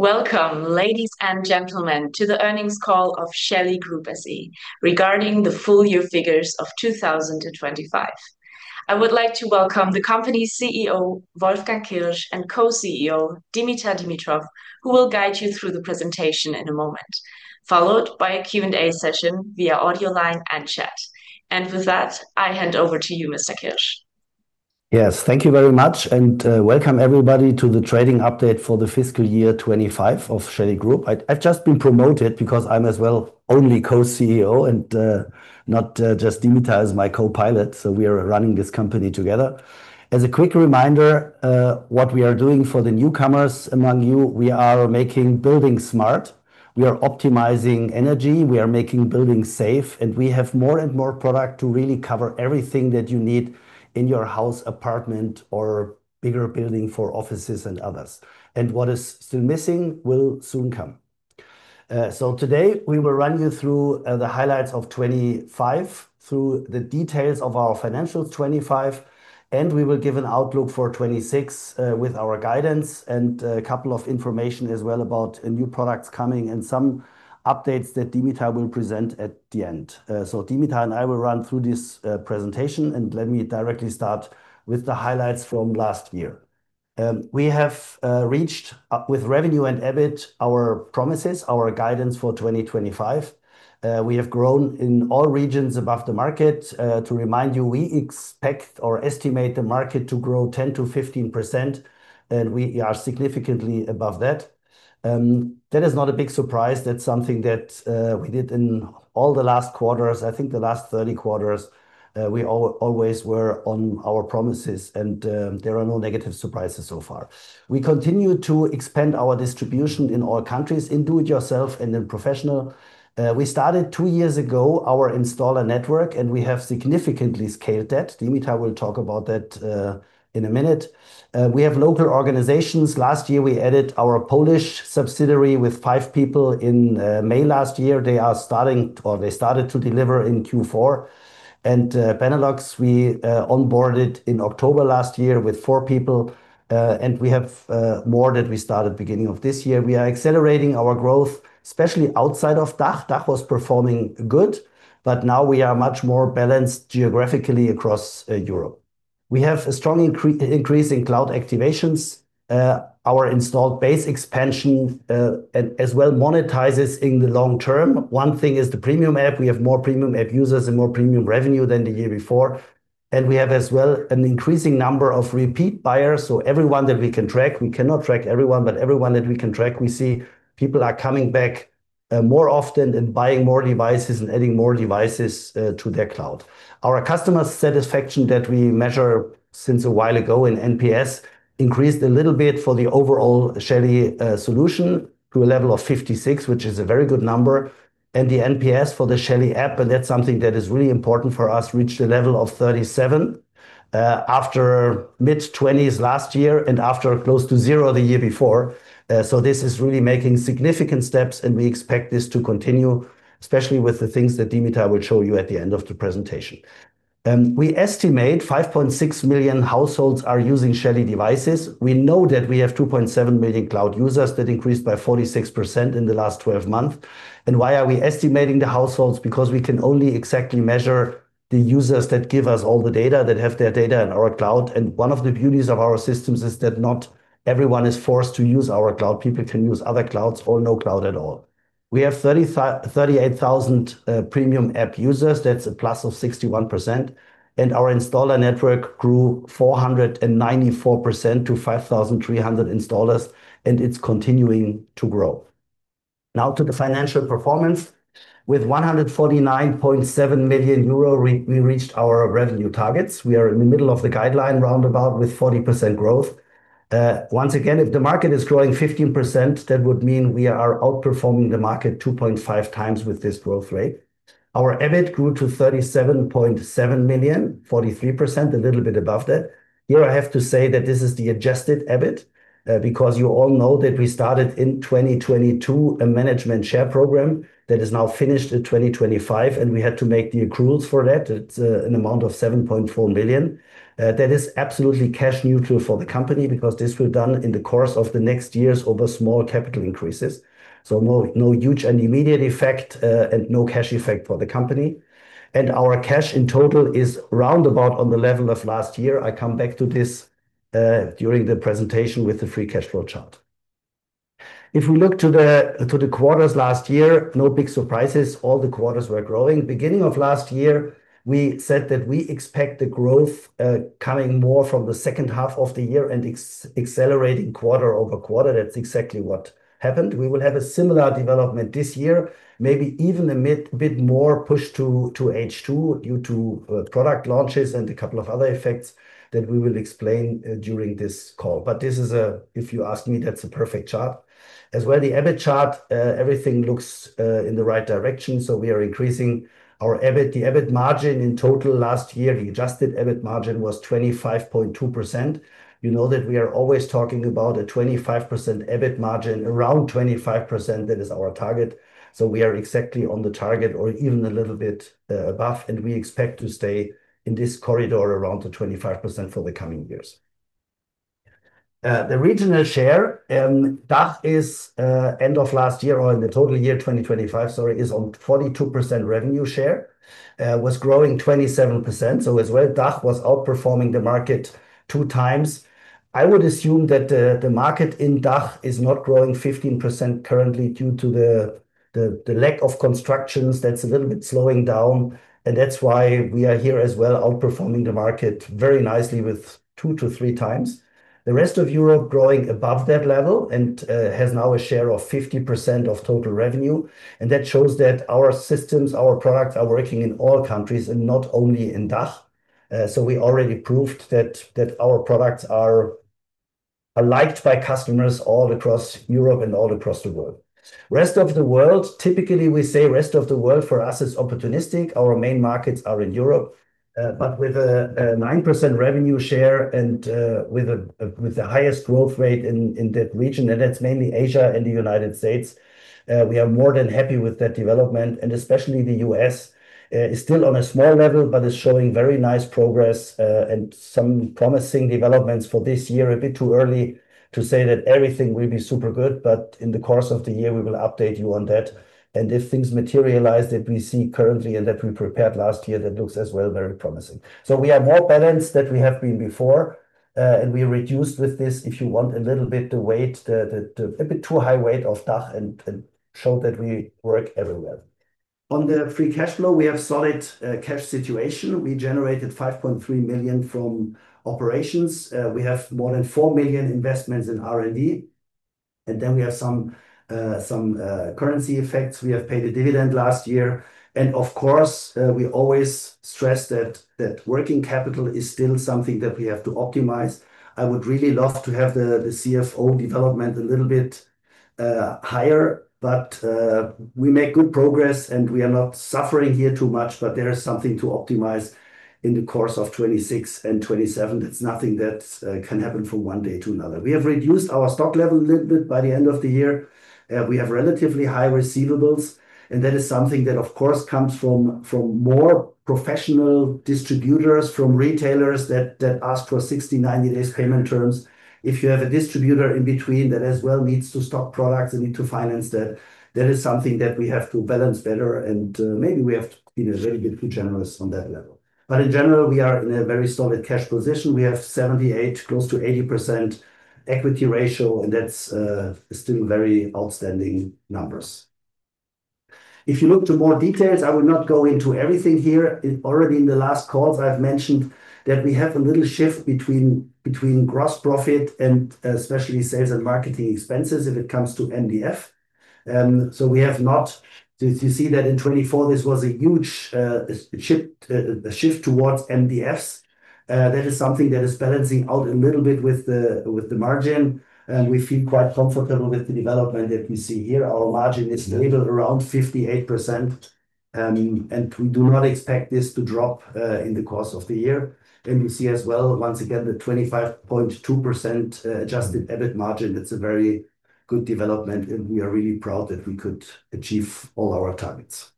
Welcome, ladies and gentlemen, to the earnings call of Shelly Group SE regarding the full year figures of 2025. I would like to welcome the company's CEO, Wolfgang Kirsch, and co-CEO, Dimitar Dimitrov, who will guide you through the presentation in a moment, followed by a Q&A session via audio line and chat. With that, I hand over to you, Mr. Kirsch. Yes, thank you very much. Welcome, everybody, to the trading update for the fiscal year 25 of Shelly Group. I've just been promoted because I'm as well only co-CEO and not just Dimitar as my co-pilot, so we are running this company together. As a quick reminder, what we are doing for the newcomers among you, we are making building smart. We are optimizing energy, we are making building safe, and we have more and more product to really cover everything that you need in your house, apartment, or bigger building for offices and others. What is still missing will soon come. Today we will run you through the highlights of 2025, through the details of our financials 2025, and we will give an outlook for 2026 with our guidance and a couple of information as well about new products coming and some updates that Dimitar will present at the end. Dimitar and I will run through this presentation, and let me directly start with the highlights from last year. We have reached with revenue and EBIT, our promises, our guidance for 2025. We have grown in all regions above the market. To remind you, we expect or estimate the market to grow 10%-15%, and we are significantly above that. That is not a big surprise. That's something that we did in all the last quarters. I think the last 30 quarters, we always were on our promises, and there are no negative surprises so far. We continue to expand our distribution in all countries, in do-it-yourself and in professional. We started 2 years ago, our installer network, and we have significantly scaled that. Dimitar will talk about that in a minute. We have local organizations. Last year, we added our Polish subsidiary with 5 people in May last year. They are starting, or they started to deliver in Q4. Benelux, we onboarded in October last year with 4 people, and we have more that we started beginning of this year. We are accelerating our growth, especially outside of DACH. DACH was performing good, but now we are much more balanced geographically across Europe. We have a strong increase in cloud activations. Our installed base expansion and as well monetizes in the long term. One thing is the Premium App. We have more Premium App users and more premium revenue than the year before, and we have as well an increasing number of repeat buyers. Everyone that we can track, we cannot track everyone, but everyone that we can track, we see people are coming back more often and buying more devices and adding more devices to their cloud. Our customer satisfaction that we measure since a while ago in NPS increased a little bit for the overall Shelly solution to a level of 56, which is a very good number, and the NPS for the Shelly app, and that's something that is really important for us, reached a level of 37 after mid-20s last year and after close to zero the year before. This is really making significant steps, and we expect this to continue, especially with the things that Dimitar will show you at the end of the presentation. We estimate 5.6 million households are using Shelly devices. We know that we have 2.7 million cloud users. That increased by 46% in the last 12 months. Why are we estimating the households? Because we can only exactly measure the users that give us all the data, that have their data in our cloud. One of the beauties of our systems is that not everyone is forced to use our cloud. People can use other clouds or no cloud at all. We have 38,000 Premium App users. That's a plus of 61%. Our installer network grew 494% to 5,300 installers. It's continuing to grow. Now to the financial performance. With 149.7 million euro, we reached our revenue targets. We are in the middle of the guideline roundabout with 40% growth. Once again, if the market is growing 15%, that would mean we are outperforming the market 2.5 times with this growth rate. Our EBIT grew to 37.7 million, 43%, a little bit above that. Here I have to say that this is the adjusted EBIT because you all know that we started in 2022, a management share program that is now finished in 2025, and we had to make the accruals for that. It's an amount of 7.4 million. That is absolutely cash neutral for the company because this will done in the course of the next years over small capital increases. No, no huge and immediate effect and no cash effect for the company. Our cash in total is roundabout on the level of last year. I come back to this during the presentation with the free cash flow chart. If we look to the, to the quarters last year, no big surprises. All the quarters were growing. Beginning of last year, we said that we expect the growth coming more from the H2 of the year and accelerating quarter-over-quarter. That's exactly what happened. We will have a similar development this year, maybe even a bit more push to H2 due to product launches and a couple of other effects that we will explain during this call. This is. If you ask me, that's a perfect chart. As well, the EBIT chart, everything looks in the right direction, so we are increasing our EBIT. The EBIT margin in total last year, the adjusted EBIT margin was 25.2%. You know that we are always talking about a 25% EBIT margin. Around 25%, that is our target, so we are exactly on the target or even a little bit above, and we expect to stay in this corridor around the 25% for the coming years. The regional share, that is, end of last year or in the total year 2025, sorry, is on 42% revenue share. Was growing 27%, so as well, DACH was outperforming the market 2 times. I would assume that the market in DACH is not growing 15% currently due to the lack of constructions. That's a little bit slowing down, and that's why we are here as well, outperforming the market very nicely with 2-3 times. The rest of Europe growing above that level and has now a share of 50% of total revenue. That shows that our systems, our products are working in all countries and not only in DACH. We already proved that our products are liked by customers all across Europe and all across the world. Rest of the world, typically, we say rest of the world for us is opportunistic. Our main markets are in Europe, but with a 9% revenue share and with the highest growth rate in that region, and that's mainly Asia and the United States, we are more than happy with that development. Especially the U.S.. is still on a small level, but is showing very nice progress and some promising developments for this year. A bit too early to say that everything will be super good, but in the course of the year, we will update you on that. If things materialize that we see currently and that we prepared last year, that looks as well very promising. We are more balanced than we have been before, and we reduced with this, if you want a little bit, the weight, the a bit too high weight of DACH and show that we work everywhere. On the free cash flow, we have solid cash situation. We generated 5.3 million from operations. We have more than 4 million investments in R&D, and then we have some currency effects. We have paid a dividend last year, and of course, we always stress that working capital is still something that we have to optimize. I would really love to have the CFO development a little bit higher, but we make good progress, and we are not suffering here too much, but there is something to optimize in the course of 2026 and 2027. It's nothing that can happen from one day to another. We have reduced our stock level a little bit by the end of the year. We have relatively high receivables. That is something that, of course, comes from, from more professional distributors, from retailers that ask for 60, 90 days payment terms. If you have a distributor in between that as well needs to stock products and need to finance that, that is something that we have to balance better, and maybe we have been a little bit too generous on that level. In general, we are in a very solid cash position. We have 78, close to 80% equity ratio. That's still very outstanding numbers. If you look to more details, I will not go into everything here. Already in the last call, I've mentioned that we have a little shift between, between gross profit and especially sales and marketing expenses if it comes to MDF. Do you see that in 2024, this was a huge a shift towards MDFs? That is something that is balancing out a little bit with the, with the margin, and we feel quite comfortable with the development that we see here. Our margin is still around 58%, and we do not expect this to drop in the course of the year. We see as well, once again, the 25.2% adjusted EBIT margin. That's a very good development, and we are really proud that we could achieve all our targets.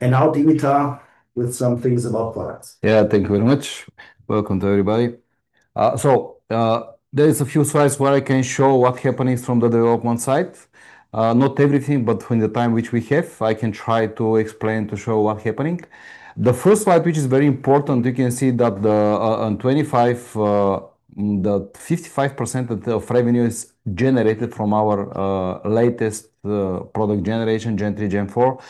Now, Dimitar, with some things about products. Yeah, thank you very much. Welcome to everybody. There is a few slides where I can show what happening from the development side. Not everything, in the time which we have, I can try to explain, to show what happening. The first slide, which is very important, you can see that the on 25, the 55% of the revenue is generated from our latest product generation, Gen3, Gen4.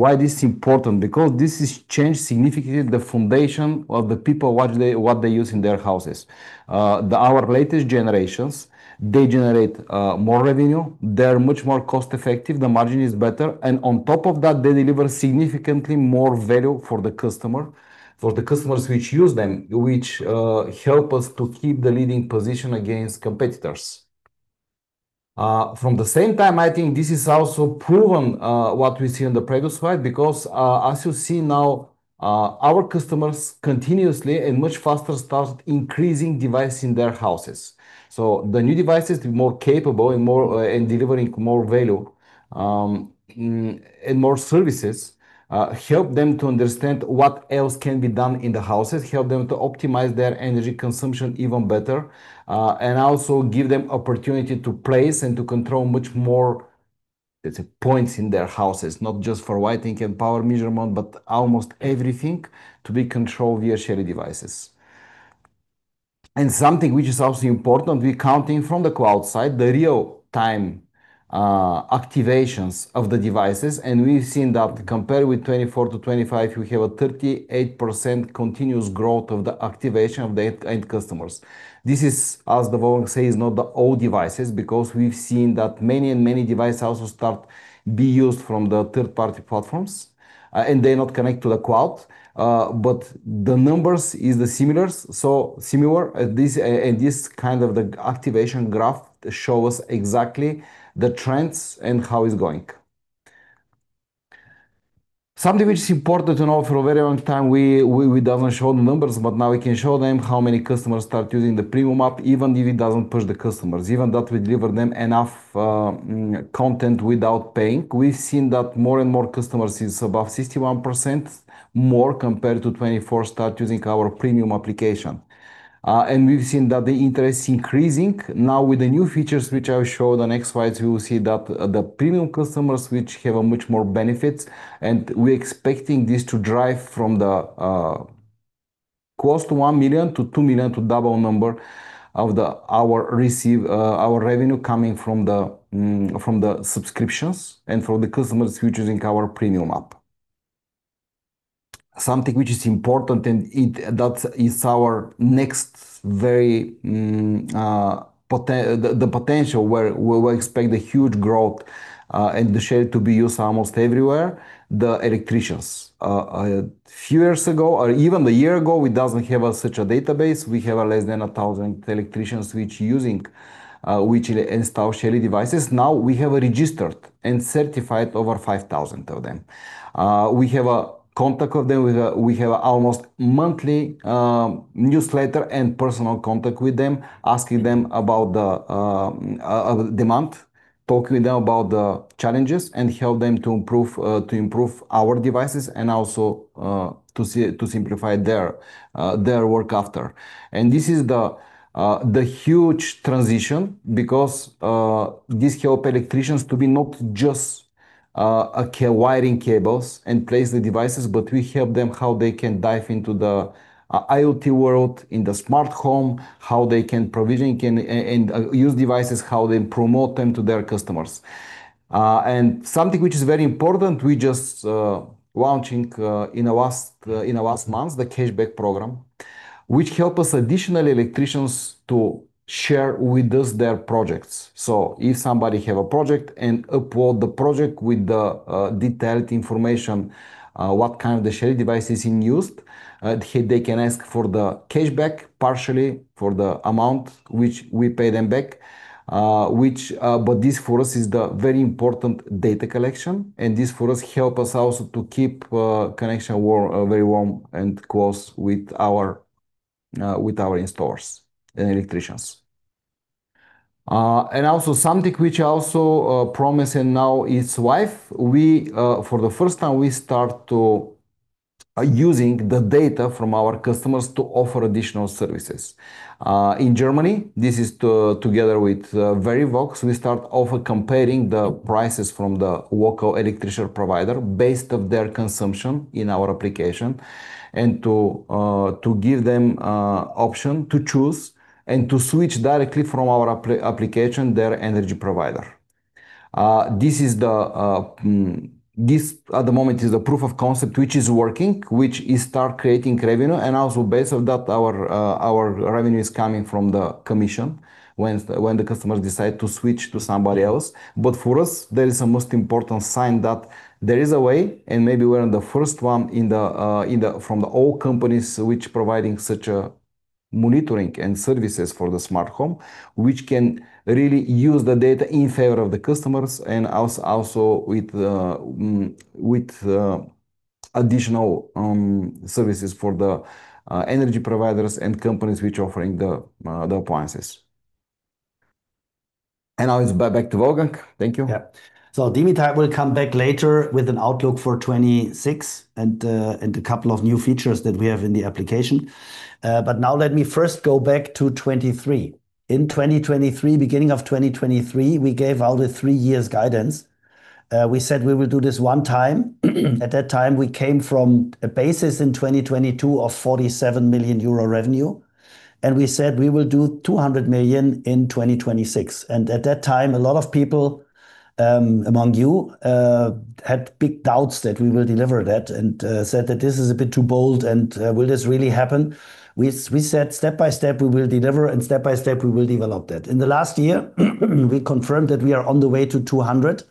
Why this is important? Because this has changed significantly the foundation of the people, what they use in their houses. Our latest generations, they generate more revenue, they are much more cost-effective, the margin is better, and on top of that, they deliver significantly more value for the customer, for the customers which use them, which help us to keep the leading position against competitors. From the same time, I think this is also proven what we see on the previous slide, because as you see now, our customers continuously and much faster start increasing device in their houses. The new devices, the more capable and more and delivering more value, and more services help them to understand what else can be done in the houses, help them to optimize their energy consumption even better, and also give them opportunity to place and to control much more, let's say, points in their houses, not just for lighting and power measurement, but almost everything to be controlled via Shelly devices. Something which is also important, we're counting from the cloud side, the real-time activations of the devices, and we've seen that compared with 2024 to 2025, we have a 38% continuous growth of the activation of the end customers. This is, as the Wolfgang say, is not the old devices, because we've seen that many and many devices also start be used from the third-party platforms, and they not connect to the cloud. The numbers is the similars, so similar, this, and this kind of the activation graph shows exactly the trends and how it's going. Something which is important to know, for a very long time, we doesn't show the numbers, but now we can show them how many customers start using the premium app, even if it doesn't push the customers, even that we deliver them enough, content without paying. We've seen that more and more customers is above 61% more compared to 24 start using our premium application. We've seen that the interest is increasing. With the new features, which I'll show on the next slides, we will see that the premium customers, which have a much more benefits, and we're expecting this to drive from the close to 1 million-2 million, to double number of our revenue coming from the subscriptions and from the customers who are using our Premium app. Something which is important, and that is our next very potential where we expect a huge growth, and the Shelly to be used almost everywhere, the electricians. A few years ago or even a year ago, we doesn't have a such a database. We have less than 1,000 electricians which using which install Shelly devices. We have registered and certified over 5,000 of them. We have a contact of them, we have almost monthly newsletter and personal contact with them, asking them about the month, talking with them about the challenges, and help them to improve our devices and also to simplify their work after. This is the huge transition because this help electricians to be not just wiring cables and place the devices, but we help them how they can dive into the IoT world, in the smart home, how they can provision and use devices, how they promote them to their customers. Something which is very important, we just launching in the last months, the cashback program, which help us additional electricians to share with us their projects. If somebody have a project and upload the project with the detailed information, what kind of the Shelly device is in use, they can ask for the cashback, partially for the amount which we pay them back, which. This, for us, is the very important data collection, and this, for us, help us also to keep connection very warm and close with our with our installers and electricians. Also something which also promising now is life. We, for the first time, we start to using the data from our customers to offer additional services. In Germany, this is together with Verivox, we start offer comparing the prices from the local electrician provider based of their consumption in our application, and to give them option to choose and to switch directly from our application, their energy provider. This is the, this, at the moment, is a proof of concept, which is working, which is start creating revenue, and also based on that, our revenue is coming from the commission when the customers decide to switch to somebody else. For us, there is a most important sign that there is a way, and maybe we're the first one from the old companies, which providing such a monitoring and services for the smart home, which can really use the data in favor of the customers and also with additional services for the energy providers and companies which are offering the appliances. Now it's back to Wolfgang. Thank you. will come back later with an outlook for 2026, and a couple of new features that we have in the application. But now let me first go back to 2023. In 2023, beginning of 2023, we gave out a 3 years guidance. We said we will do this one time. At that time, we came from a basis in 2022 of 47 million euro revenue, and we said we will do 200 million in 2026. At that time, a lot of people among you had big doubts that we will deliver that and said that this is a bit too bold, and will this really happen? We said, step by step, we will deliver, and step by step, we will develop that. In the last year, we confirmed that we are on the way to 200,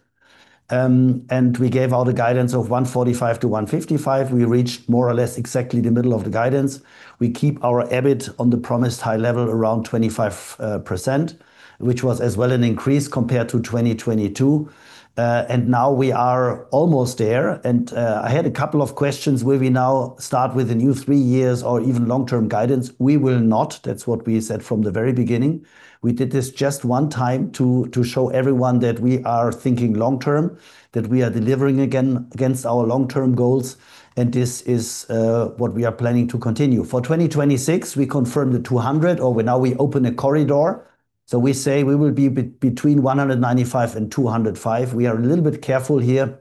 and we gave out a guidance of 145-155. We reached more or less exactly the middle of the guidance. We keep our EBIT on the promised high level, around 25%, which was as well an increase compared to 2022. Now we are almost there, and I had a couple of questions, will we now start with a new three years or even long-term guidance? We will not. That's what we said from the very beginning. We did this just one time to show everyone that we are thinking long-term, that we are delivering again against our long-term goals, and this is what we are planning to continue. For 2026, we confirmed the 200, or now we open a corridor. We say we will be between 195 and 205. We are a little bit careful here,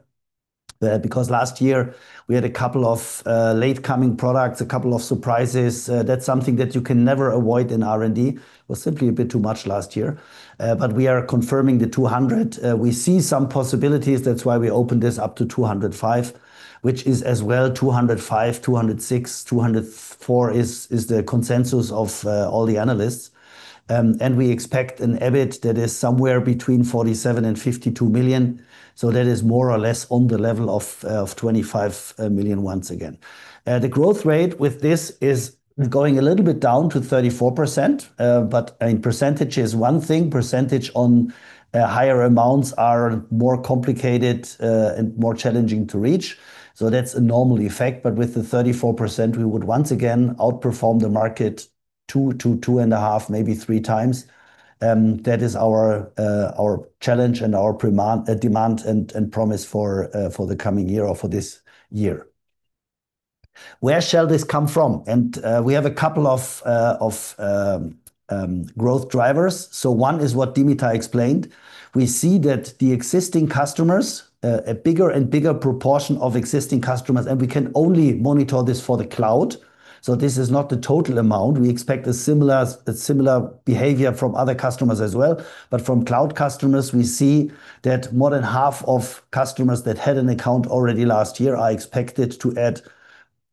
because last year, we had a couple of late-coming products, a couple of surprises. That's something that you can never avoid in R&D. It was simply a bit too much last year. We are confirming the 200. We see some possibilities, that's why we opened this up to 205, which is as well 205, 206, 204 is the consensus of all the analysts. We expect an EBIT that is somewhere between 47 million and 52 million, that is more or less on the level of 25 million once again. The growth rate with this is going a little bit down to 34%, but percentage is one thing. Percentage on higher amounts are more complicated and more challenging to reach, so that's a normal effect. With the 34%, we would once again outperform the market 2 to 2.5, maybe 3 times. That is our challenge and our demand and promise for the coming year or for this year. Where shall this come from? We have a couple of growth drivers. One is what Dimitar explained. We see that the existing customers, a bigger and bigger proportion of existing customers, and we can only monitor this for the cloud, so this is not the total amount. We expect a similar behavior from other customers as well. From cloud customers, we see that more than half of customers that had an account already last year are expected to add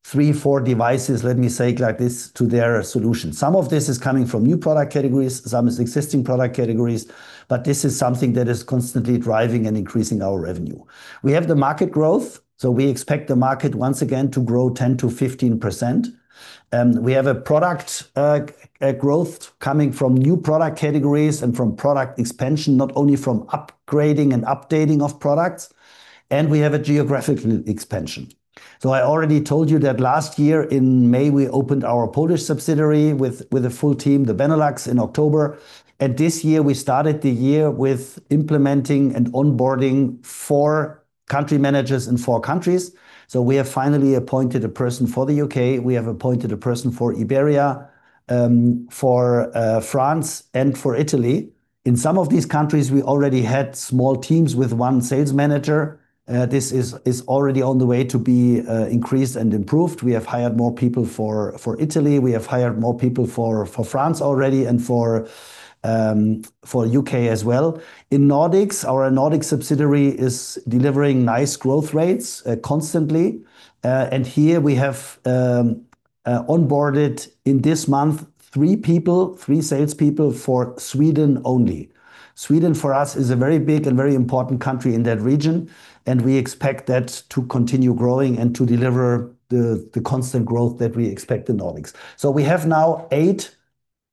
3, 4 devices, let me say it like this, to their solution. Some of this is coming from new product categories, some is existing product categories, but this is something that is constantly driving and increasing our revenue. We have the market growth, so we expect the market once again to grow 10-15%. We have a product, a growth coming from new product categories and from product expansion, not only from upgrading and updating of products, and we have a geographical expansion. I already told you that last year in May, we opened our Polish subsidiary with a full team, the Benelux in October, and this year, we started the year with implementing and onboarding four country managers in four countries. We have finally appointed a person for the UK, we have appointed a person for Iberia, for France, and for Italy. In some of these countries, we already had small teams with one sales manager. This is already on the way to be increased and improved. We have hired more people for Italy, we have hired more people for France already, and for UK as well. In Nordics, our Nordic subsidiary is delivering nice growth rates constantly. Here we have onboarded in this month, three people, three salespeople for Sweden only. Sweden, for us, is a very big and very important country in that region, we expect that to continue growing and to deliver the constant growth that we expect in Nordics. We have now eight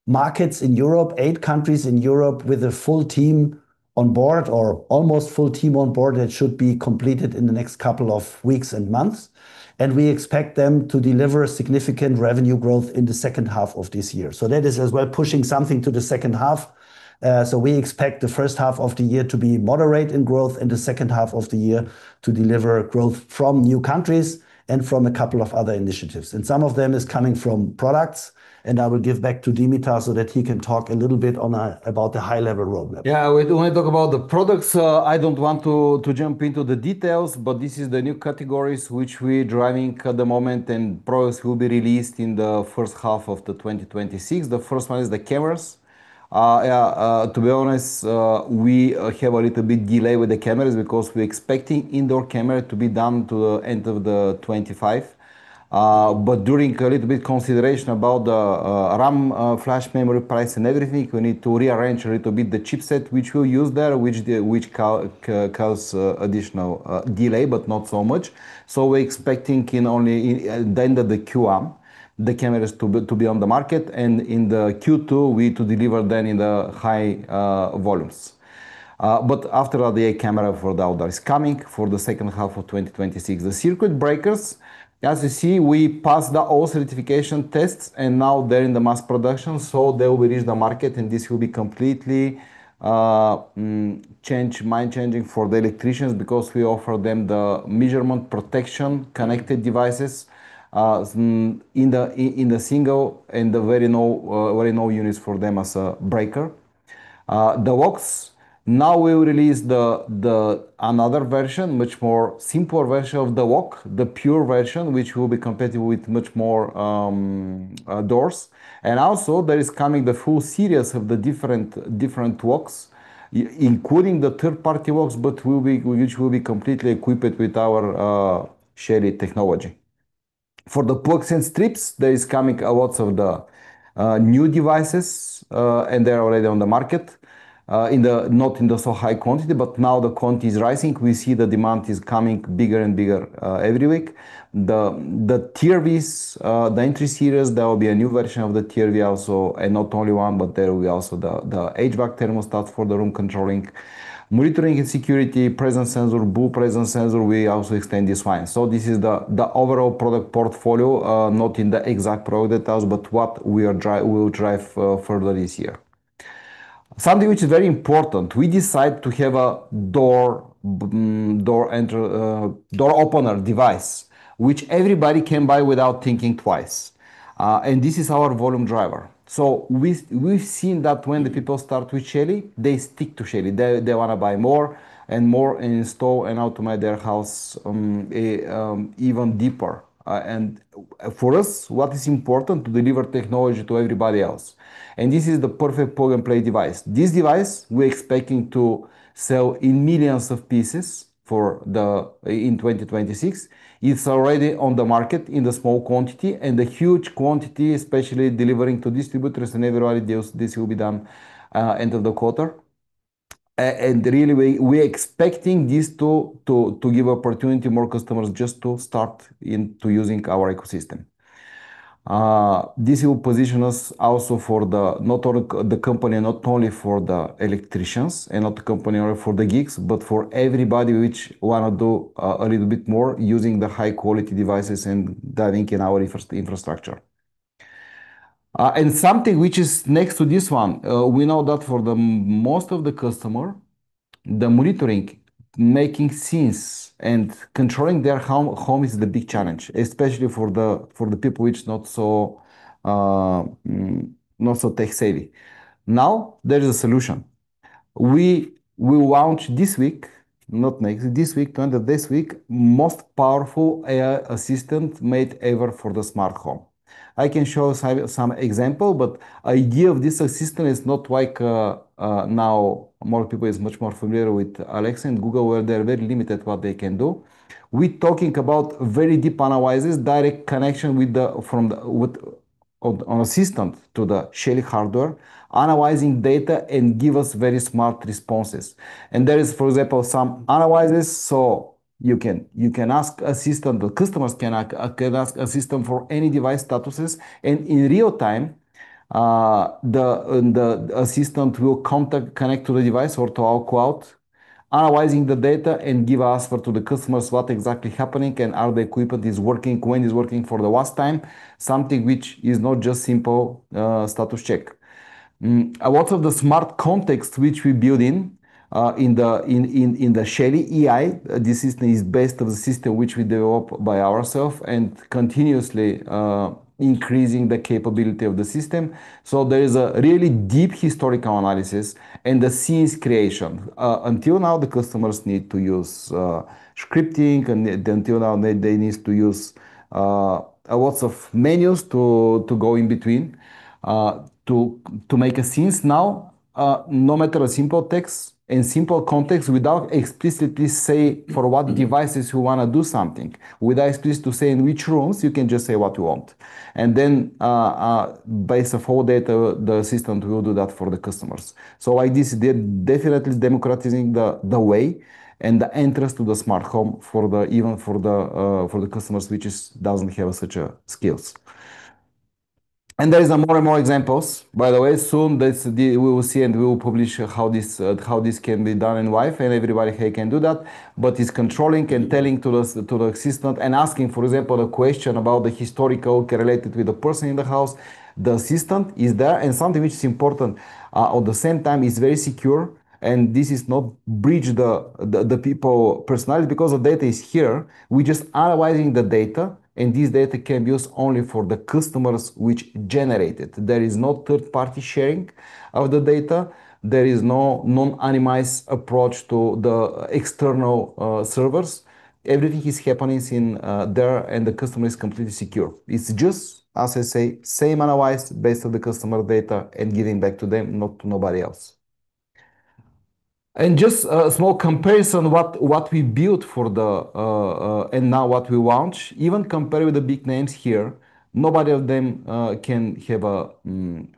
markets in Europe, eight countries in Europe, with a full team on board or almost full team on board, that should be completed in the next couple of weeks and months. We expect them to deliver a significant revenue growth in the H2 of this year. That is as well, pushing something to the H2. We expect the H1 of the year to be moderate in growth, the H2 of the year to deliver growth from new countries and from a couple of other initiatives. Some of them is coming from products, and I will give back to Dimitar so that he can talk a little bit about the high-level roadmap. When we talk about the products, I don't want to jump into the details, this is the new categories which we're driving at the moment, products will be released in the H1 of 2026. The first one is the cameras. To be honest, we have a little bit delay with the cameras because we're expecting indoor camera to be done to the end of 2025. During a little bit consideration about the RAM, flash memory price and everything, we need to rearrange a little bit the chipset which we'll use there, which the which cause additional delay, but not so much. We're expecting in only, the end of the Q1, the cameras to be on the market, and in the Q2, we to deliver then in the high volumes. After the camera for the outdoor is coming for the H2 of 2026. The circuit breakers, as you see, we passed the all certification tests, and now they're in the mass production, so they will reach the market. This will be completely mind-changing for the electricians because we offer them the measurement protection, connected devices, in the single, very no units for them as a breaker. The locks, now we will release the another version, much more simpler version of the lock, the pure version, which will be compatible with much more doors. Also there is coming the full series of the different locks, including the third-party locks, which will be completely equipped with our Shelly technology. For the plugs and strips, there is coming a lot of new devices. They're already on the market, not in the so high quantity, but now the quantity is rising. We see the demand is coming bigger and bigger every week. The TRVs, the entry series, there will be a new version of the TRV also. Not only one, but there will be also the HVAC thermostat for the room controlling. Monitoring and security, presence sensor, BLU presence sensor, we also extend this line. This is the, the overall product portfolio, not in the exact product details, but what we will drive further this year. Something which is very important, we decide to have a door, door enter, door opener device, which everybody can buy without thinking twice. This is our volume driver. We've seen that when the people start with Shelly, they stick to Shelly. They wanna buy more and more and install and automate their house even deeper. For us, what is important, to deliver technology to everybody else, and this is the perfect plug-and-play device. This device, we're expecting to sell in millions of pieces in 2026. It's already on the market in the small quantity, the huge quantity, especially delivering to distributors and everybody, this will be done end of the quarter. Really, we are expecting this to give opportunity to more customers just to start into using our ecosystem. This will position us also not only the company, not only for the electricians, and not the company only for the geeks, but for everybody which wanna do a little bit more using the high-quality devices and diving in our infrastructure. Something which is next to this one, we know that for the most of the customer, the monitoring, making scenes, and controlling their home is the big challenge, especially for the people which not so tech-savvy. Now, there is a solution. We will launch this week, not next, this week, end of this week, most powerful AI assistant made ever for the smart home. I can show some example. Idea of this assistant is not like, now more people is much more familiar with Alexa and Google, where they're very limited what they can do. We talking about very deep analysis, direct connection on assistant to the Shelly hardware, analyzing data, and give us very smart responses. there is, for example, some analysis, you can ask assistant, the customers can ask assistant for any device statuses, in real time, the assistant will connect to the device or to our cloud, analyzing the data, and give answer to the customers what exactly happening and how the equipment is working, when is working for the last time, something which is not just simple status check. A lot of the smart context which we build in the Shelly AI, this system is based on the system which we develop by ourself and continuously increasing the capability of the system. there is a really deep historical analysis and the scenes creation. Until now, the customers need to use scripting, and until now, they need to use a lots of menus to go in between. To make a scenes now, no matter a simple text and simple context, without explicitly say for what devices you wanna do something, without explicitly saying which rooms, you can just say what you want. Then, based on all data, the assistant will do that for the customers. So like this, they're definitely democratizing the way and the entrance to the smart home for the... even for the customers which doesn't have such a skills. There is a more and more examples. By the way, soon we will see and we will publish how this, how this can be done in life, and everybody here can do that. It's controlling and telling to the assistant and asking, for example, a question about the historical correlated with the person in the house. The assistant is there, and something which is important, at the same time, is very secure, and this is not breach the people personality. The data is here, we just analyzing the data, and this data can be used only for the customers which generate it. There is no third-party sharing of the data. There is no non-anonymized approach to the external servers. Everything is happening in there, and the customer is completely secure. It's just, as I say, same analysis based on the customer data and giving back to them, not to nobody else. Just a small comparison what we built for the, and now what we launch, even compared with the big names here, nobody of them can have a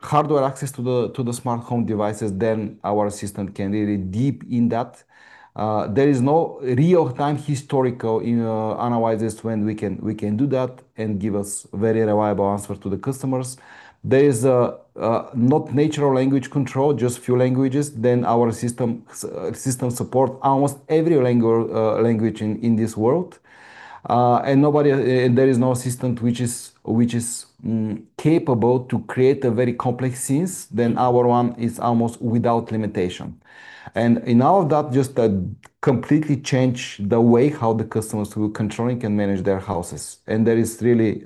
hardware access to the smart home devices than our assistant can, really deep in that. There is no real-time historical, you know, analysis when we can do that and give us very reliable answer to the customers. There is not natural language control, just few languages, then our system support almost every language in this world. Nobody. There is no assistant which is capable to create a very complex scenes than our one is almost without limitation. In all of that, just completely change the way how the customers will controlling and manage their houses. There is really,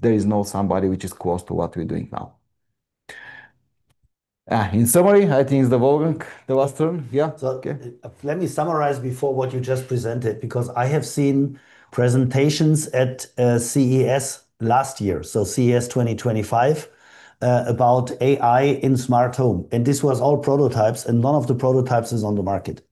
there is no somebody which is close to what we're doing now. In summary, I think it's the Wolfgang, the last turn. Yeah. Okay. Let me summarize before what you just presented, because I have seen presentations at CES last year, CES 2025, about AI in smart home, and this was all prototypes, and none of the prototypes is on the market.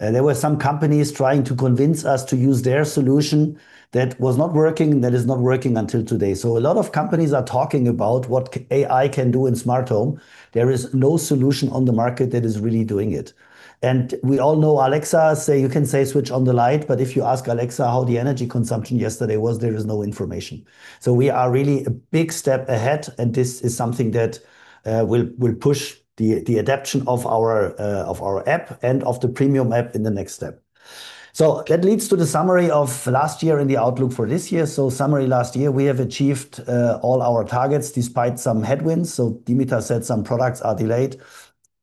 There were some companies trying to convince us to use their solution that was not working, that is not working until today. A lot of companies are talking about what AI can do in smart home. There is no solution on the market that is really doing it. We all know Alexa, say, you can say, "Switch on the light," but if you ask Alexa how the energy consumption yesterday was, there is no information. we are really a big step ahead, and this is something that will push the adoption of our of our app and of the Premium app in the next step. That leads to the summary of last year and the outlook for this year. Summary last year, we have achieved all our targets despite some headwinds. Dimitar said some products are delayed,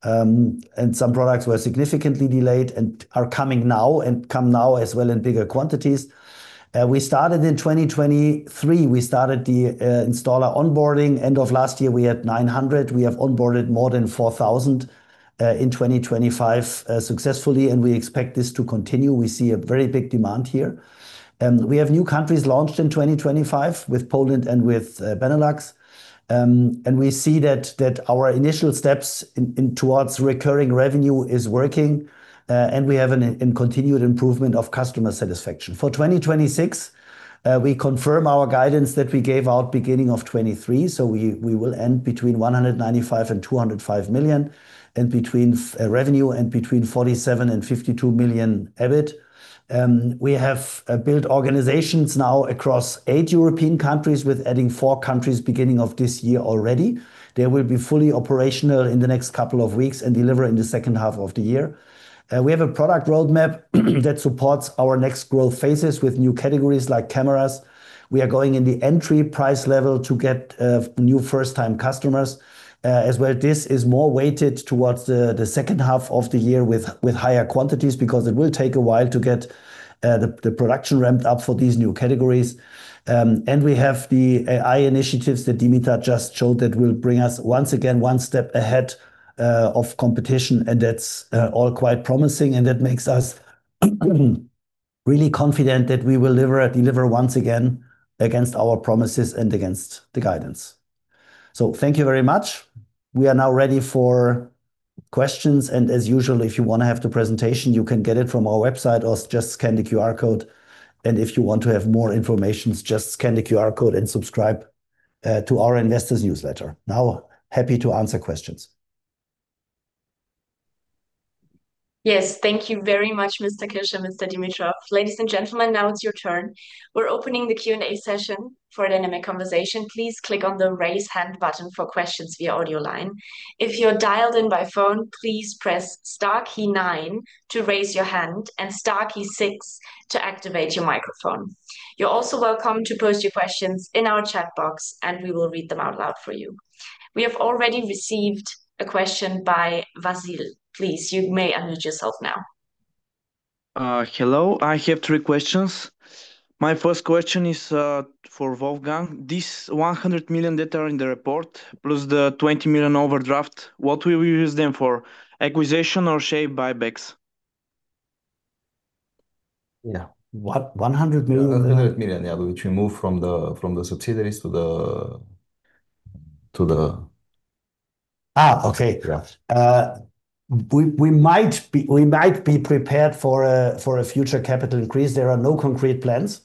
and some products were significantly delayed and are coming now, and come now as well in bigger quantities. We started in 2023, we started the installer onboarding. End of last year, we had 900. We have onboarded more than 4,000 in 2025 successfully, and we expect this to continue. We see a very big demand here. We have new countries launched in 2025 with Poland and with Benelux. We see that our initial steps in towards recurring revenue is working, and we have an continued improvement of customer satisfaction. For 2026, we confirm our guidance that we gave out beginning of 2023, we will end between 195 million and 205 million in between revenue and between 47 million and 52 million EBIT. We have built organizations now across 8 European countries, with adding 4 countries beginning of this year already. They will be fully operational in the next couple of weeks and deliver in the H2 of the year. We have a product roadmap that supports our next growth phases with new categories like cameras. We are going in the entry price level to get new first-time customers. As well, this is more weighted towards the, the H2 of the year with, with higher quantities, because it will take a while to get the production ramped up for these new categories. We have the AI initiatives that Dimitar just showed, that will bring us, once again, one step ahead of competition, and that's all quite promising, and that makes us really confident that we will deliver once again against our promises and against the guidance. Thank you very much. We are now ready for questions, and as usual, if you want to have the presentation, you can get it from our website or just scan the QR code. If you want to have more information, just scan the QR code and subscribe to our investors' newsletter. Now, happy to answer questions. Yes, thank you very much, Mr. Kirsch and Mr. Dimitar. Ladies and gentlemen, now it's your turn. We're opening the Q&A session for a dynamic conversation. Please click on the Raise Hand button for questions via audio line. If you're dialed in by phone, please press star key nine to raise your hand and star key six to activate your microphone. You're also welcome to post your questions in our chat box, and we will read them out loud for you. We have already received a question by Vasil. Please, you may unmute yourself now. Hello, I have three questions. My first question is for Wolfgang. This 100 million that are in the report, plus the 20 million overdraft, what will you use them for, acquisition or share buybacks? Yeah. What? 100 million- 100 million, yeah, which we move from the subsidiaries to the. Okay. Yeah. We might be prepared for a future capital increase. There are no concrete plans.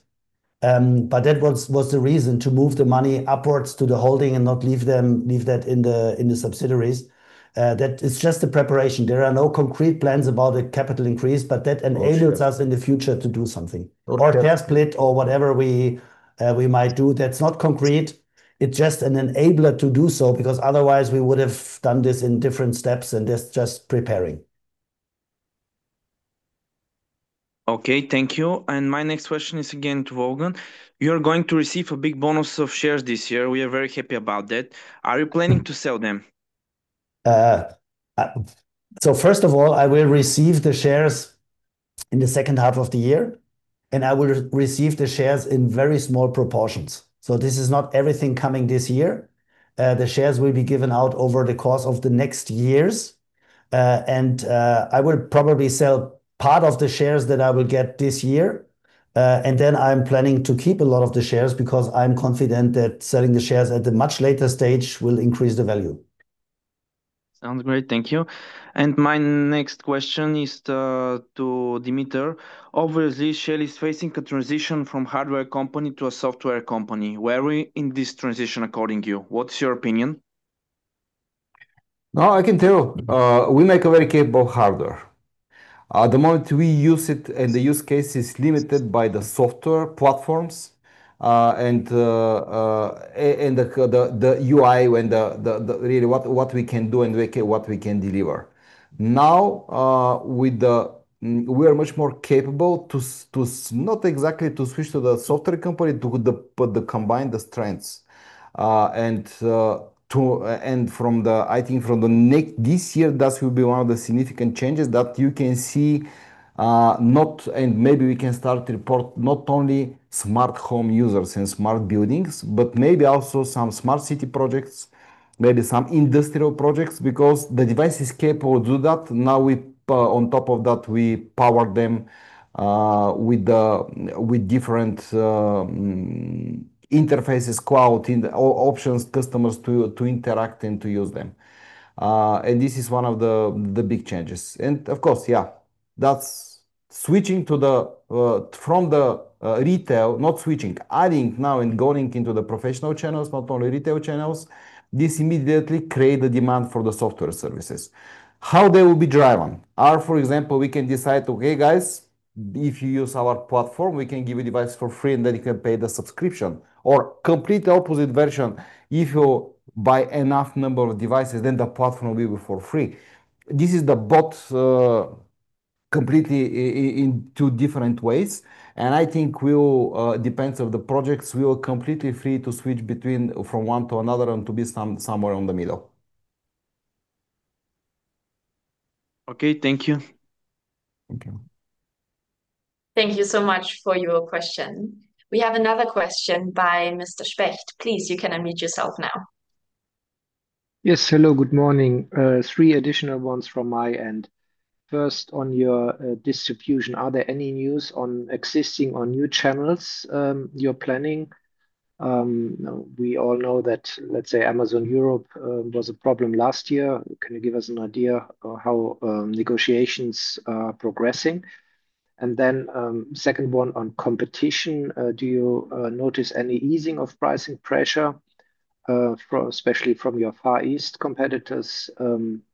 That was the reason to move the money upwards to the holding and not leave that in the subsidiaries. That is just a preparation. There are no concrete plans about a capital increase. Okay enables us in the future to do something. Okay. Cash split or whatever we might do. That's not concrete. It's just an enabler to do so, because otherwise we would have done this in different steps, and that's just preparing. Okay, thank you. My next question is again to Wolfgang. You're going to receive a big bonus of shares this year. We are very happy about that. Are you planning to sell them? First of all, I will receive the shares in the H2 of the year, and I will receive the shares in very small proportions. This is not everything coming this year. The shares will be given out over the course of the next years. I will probably sell part of the shares that I will get this year. I'm planning to keep a lot of the shares because I'm confident that selling the shares at a much later stage will increase the value. Sounds great. Thank you. My next question is to Dimitar. Obviously, Shelly is facing a transition from hardware company to a software company. Where are we in this transition, according to you? What's your opinion? No, I can tell, we make a very capable hardware. The moment we use it, and the use case is limited by the software platforms, and the UI when the really what, what we can do and what we can deliver. Now, with the we are much more capable to not exactly to switch to the software company, put the combine the strengths. To and from I think from this year, that will be one of the significant changes that you can see, not, and maybe we can start to report not only smart home users and smart buildings, but maybe also some smart city projects, maybe some industrial projects, because the device is capable to do that. Now we on top of that, we power them with different interfaces, quality, and options customers to interact and to use them. This is one of the big changes. Of course, yeah, that's switching to the from the retail, not switching, adding now and going into the professional channels, not only retail channels. This immediately create the demand for the software services. How they will be driven? For example, we can decide, "Okay, guys, if you use our platform, we can give you device for free, and then you can pay the subscription." Complete opposite version, "If you buy enough number of devices, then the platform will be for free." This is the both, completely in two different ways. I think we'll, depends on the projects, we are completely free to switch between from one to another and to be somewhere in the middle. Okay. Thank you. Thank you. Thank you so much for your question. We have another question by Mr. Specht. Please, you can unmute yourself now. Yes. Hello, good morning. Three additional ones from my end. First, on your distribution, are there any news on existing or new channels you're planning? We all know that, let's say, Amazon Europe was a problem last year. Can you give us an idea of how negotiations are progressing? Second one, on competition, do you notice any easing of pricing pressure from, especially from your Far East competitors,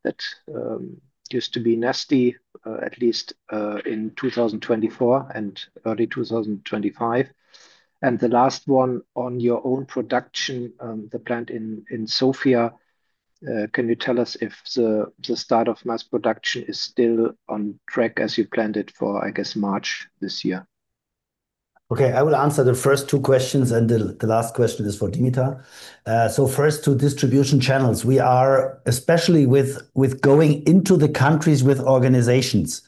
that used to be nasty, at least in 2024 and early 2025? The last one, on your own production, the plant in Sofia, can you tell us if the start of mass production is still on track as you planned it for, I guess, March this year? Okay, I will answer the first two questions, and the last question is for Dimitar. First, to distribution channels, we are, especially with going into the countries with organizations,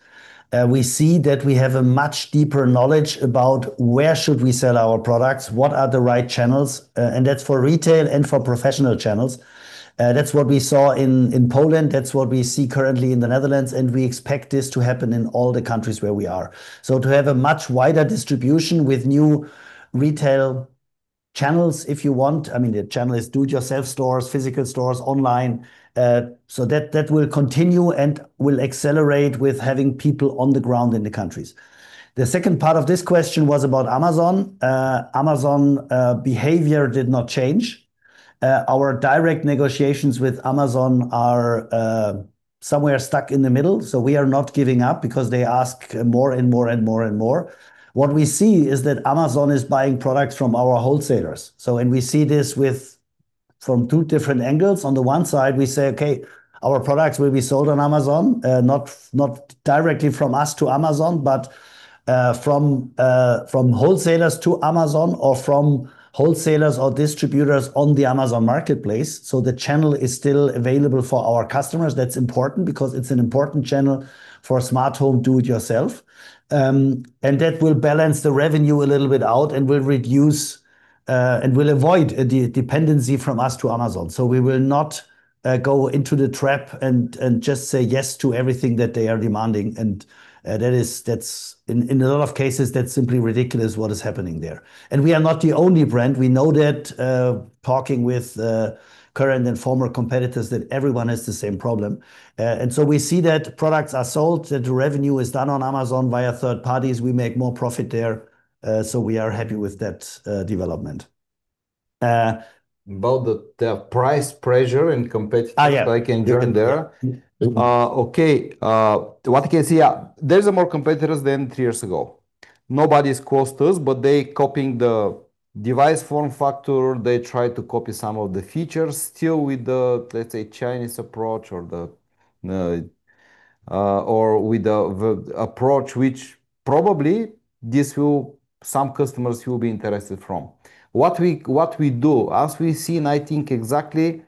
we see that we have a much deeper knowledge about where should we sell our products, what are the right channels, and that's for retail and for professional channels. That's what we saw in Poland, that's what we see currently in the Netherlands, and we expect this to happen in all the countries where we are. To have a much wider distribution with new retail channels if you want. I mean, the channel is do-it-yourself stores, physical stores, online. That will continue and will accelerate with having people on the ground in the countries. The second part of this question was about Amazon. Amazon behavior did not change. Our direct negotiations with Amazon are somewhere stuck in the middle. We are not giving up because they ask more, and more, and more, and more. What we see is that Amazon is buying products from our wholesalers, and we see this from two different angles. On the one side, we say, "Okay, our products will be sold on Amazon," not directly from us to Amazon, but from wholesalers to Amazon, or from wholesalers or distributors on the Amazon Marketplace. The channel is still available for our customers. That's important because it's an important channel for smart home do-it-yourself. That will balance the revenue a little bit out and will reduce and will avoid the dependency from us to Amazon. We will not go into the trap and just say yes to everything that they are demanding, and that is. In a lot of cases, that's simply ridiculous what is happening there. We are not the only brand. We know that, talking with current and former competitors, that everyone has the same problem. We see that products are sold, that the revenue is done on Amazon via third parties. We make more profit there, so we are happy with that development. About the price pressure and competitive- yeah. like in there. Okay, what can you say? Yeah, there's more competitors than three years ago. Nobody's close to us, but they copying the device form factor. They try to copy some of the features, still with the, let's say, Chinese approach or with the approach which probably some customers will be interested from. What we do, as we see, and I think exactly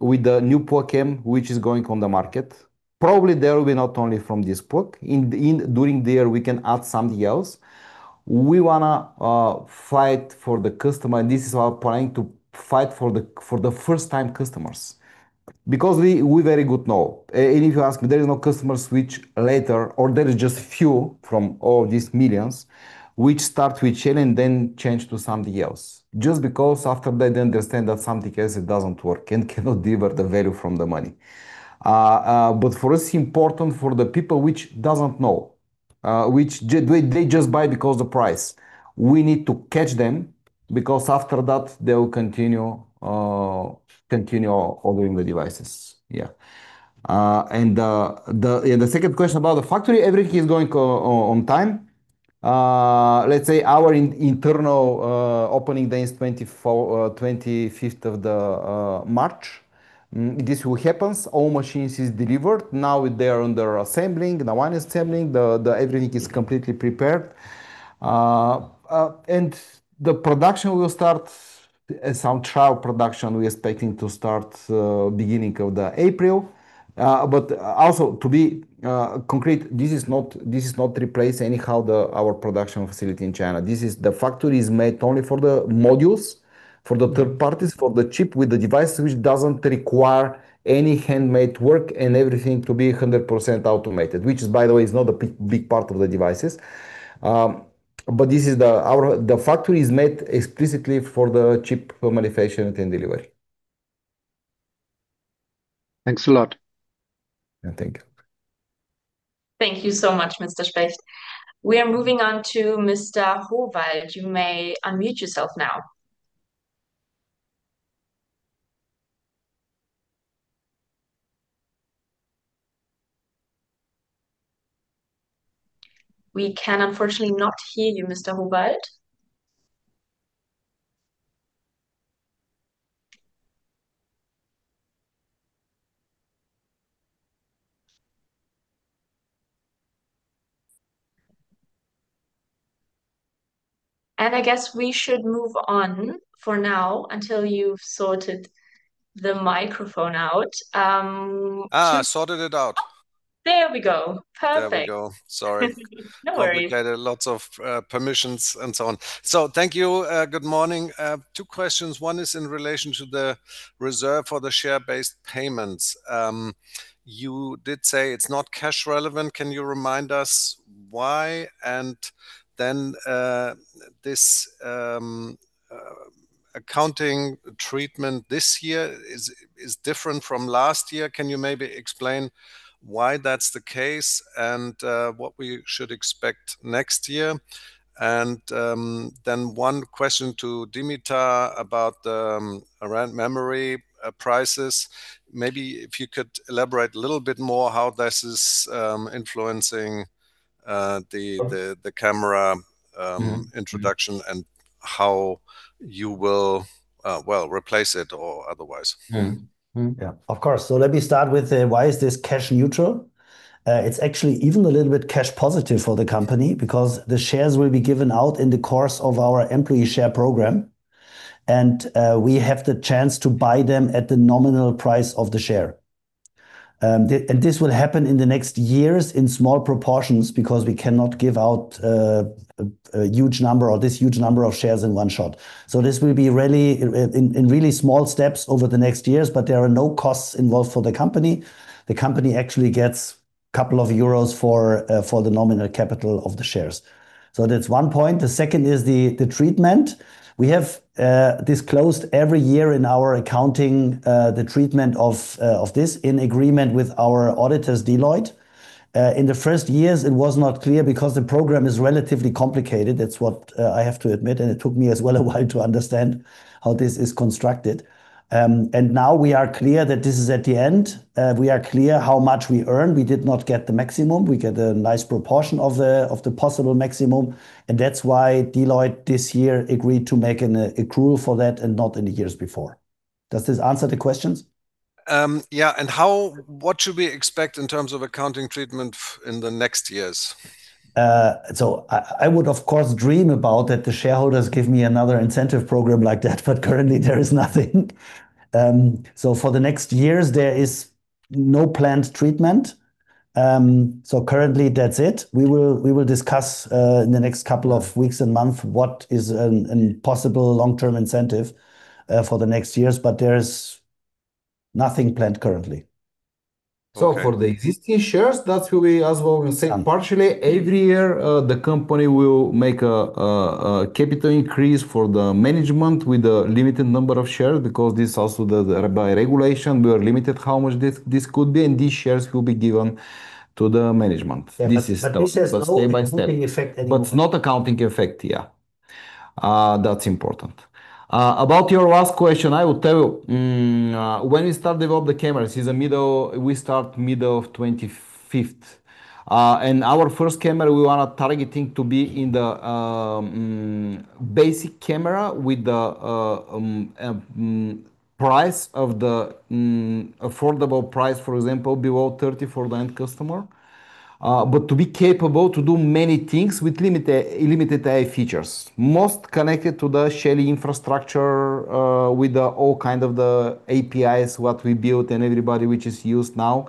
with the new PoC M, which is going on the market, probably there will be not only from this PoC. During the year, we can add something else. We wanna fight for the customer, and this is our plan, to fight for the first-time customers. We very good know, and if you ask me, there is no customer switch later, or there is just few from all these millions, which start with Shelly and then change to something else, just because after they understand that something else, it doesn't work and cannot deliver the value from the money. For us, it's important for the people which doesn't know, which they just buy because the price. We need to catch them, after that, they will continue ordering the devices. Yeah. The second question about the factory, everything is going on time. Let's say our internal opening day is 24, 25th of March. This will happens. All machines is delivered. Now they are under assembling. Everything is completely prepared. The production will start, some trial production, we are expecting to start, beginning of April. Also to be concrete, this is not replace anyhow the, our production facility in China. The factory is made only for the modules, for the third parties, for the chip with the device, which doesn't require any handmade work, and everything to be 100% automated, which is, by the way, is not a big part of the devices. This is the factory is made explicitly for the chip manufacturing and delivery. Thanks a lot. Yeah, thank you. Thank you so much, Mr. Specht. We are moving on to Mr. Hohwald. You may unmute yourself now. We can unfortunately not hear you, Mr. Hohwald. I guess we should move on for now until you've sorted the microphone out. I sorted it out. Oh, there we go. Perfect. There we go. Sorry. No worries. Complicated. Lots of permissions and so on. Thank you. Good morning. Two questions. One is in relation to the reserve for the share-based payments. You did say it's not cash relevant. Can you remind us why? Then this accounting treatment this year is different from last year. Can you maybe explain why that's the case, and what we should expect next year? Then one question to Dimitar about around memory prices. Maybe if you could elaborate a little bit more how this is influencing the- Of-... the camera. Mm, mm... introduction, and how you will, well, replace it or otherwise? Mm, mm. Yeah. Of course. Let me start with why is this cash neutral? It's actually even a little bit cash positive for the company because the shares will be given out in the course of our employee share program, we have the chance to buy them at the nominal price of the share. The, this will happen in the next years in small proportions because we cannot give out a huge number or this huge number of shares in one shot. This will be really, in really small steps over the next years, but there are no costs involved for the company. The company actually gets couple of EUR for the nominal capital of the shares. That's one point. The second is the, the treatment. We have disclosed every year in our accounting, the treatment of this in agreement with our auditors, Deloitte. In the first years it was not clear because the program is relatively complicated, that's what I have to admit, and it took me as well a while to understand how this is constructed. Now we are clear that this is at the end. We are clear how much we earn. We did not get the maximum. We get a nice proportion of the possible maximum, and that's why Deloitte this year agreed to make an accrual for that and not in the years before. Does this answer the questions? What should we expect in terms of accounting treatment in the next years? I would, of course, dream about that the shareholders give me another incentive program like that, but currently there is nothing. For the next years, there is no planned treatment. Currently that's it. We will discuss in the next couple of weeks and months what is a possible long-term incentive for the next years, but there is nothing planned currently. Okay. For the existing shares, that will be as well the same. Yeah. Partially, every year, the company will make a capital increase for the management with the limited number of shares because this also By regulation, we are limited how much this could be. These shares will be given to the management. Yeah. This is step by step. This has no accounting effect anyway. But not accounting effect, yeah. That's important. About your last question, I will tell you, when we start develop the cameras, we start middle of 2025. And our first camera, we were targeting to be in the basic camera with the price of the affordable price, for example, below 30 for the end customer. But to be capable to do many things with limited AI features, most connected to the Shelly infrastructure, with the all kind of the APIs, what we built and everybody which is used now.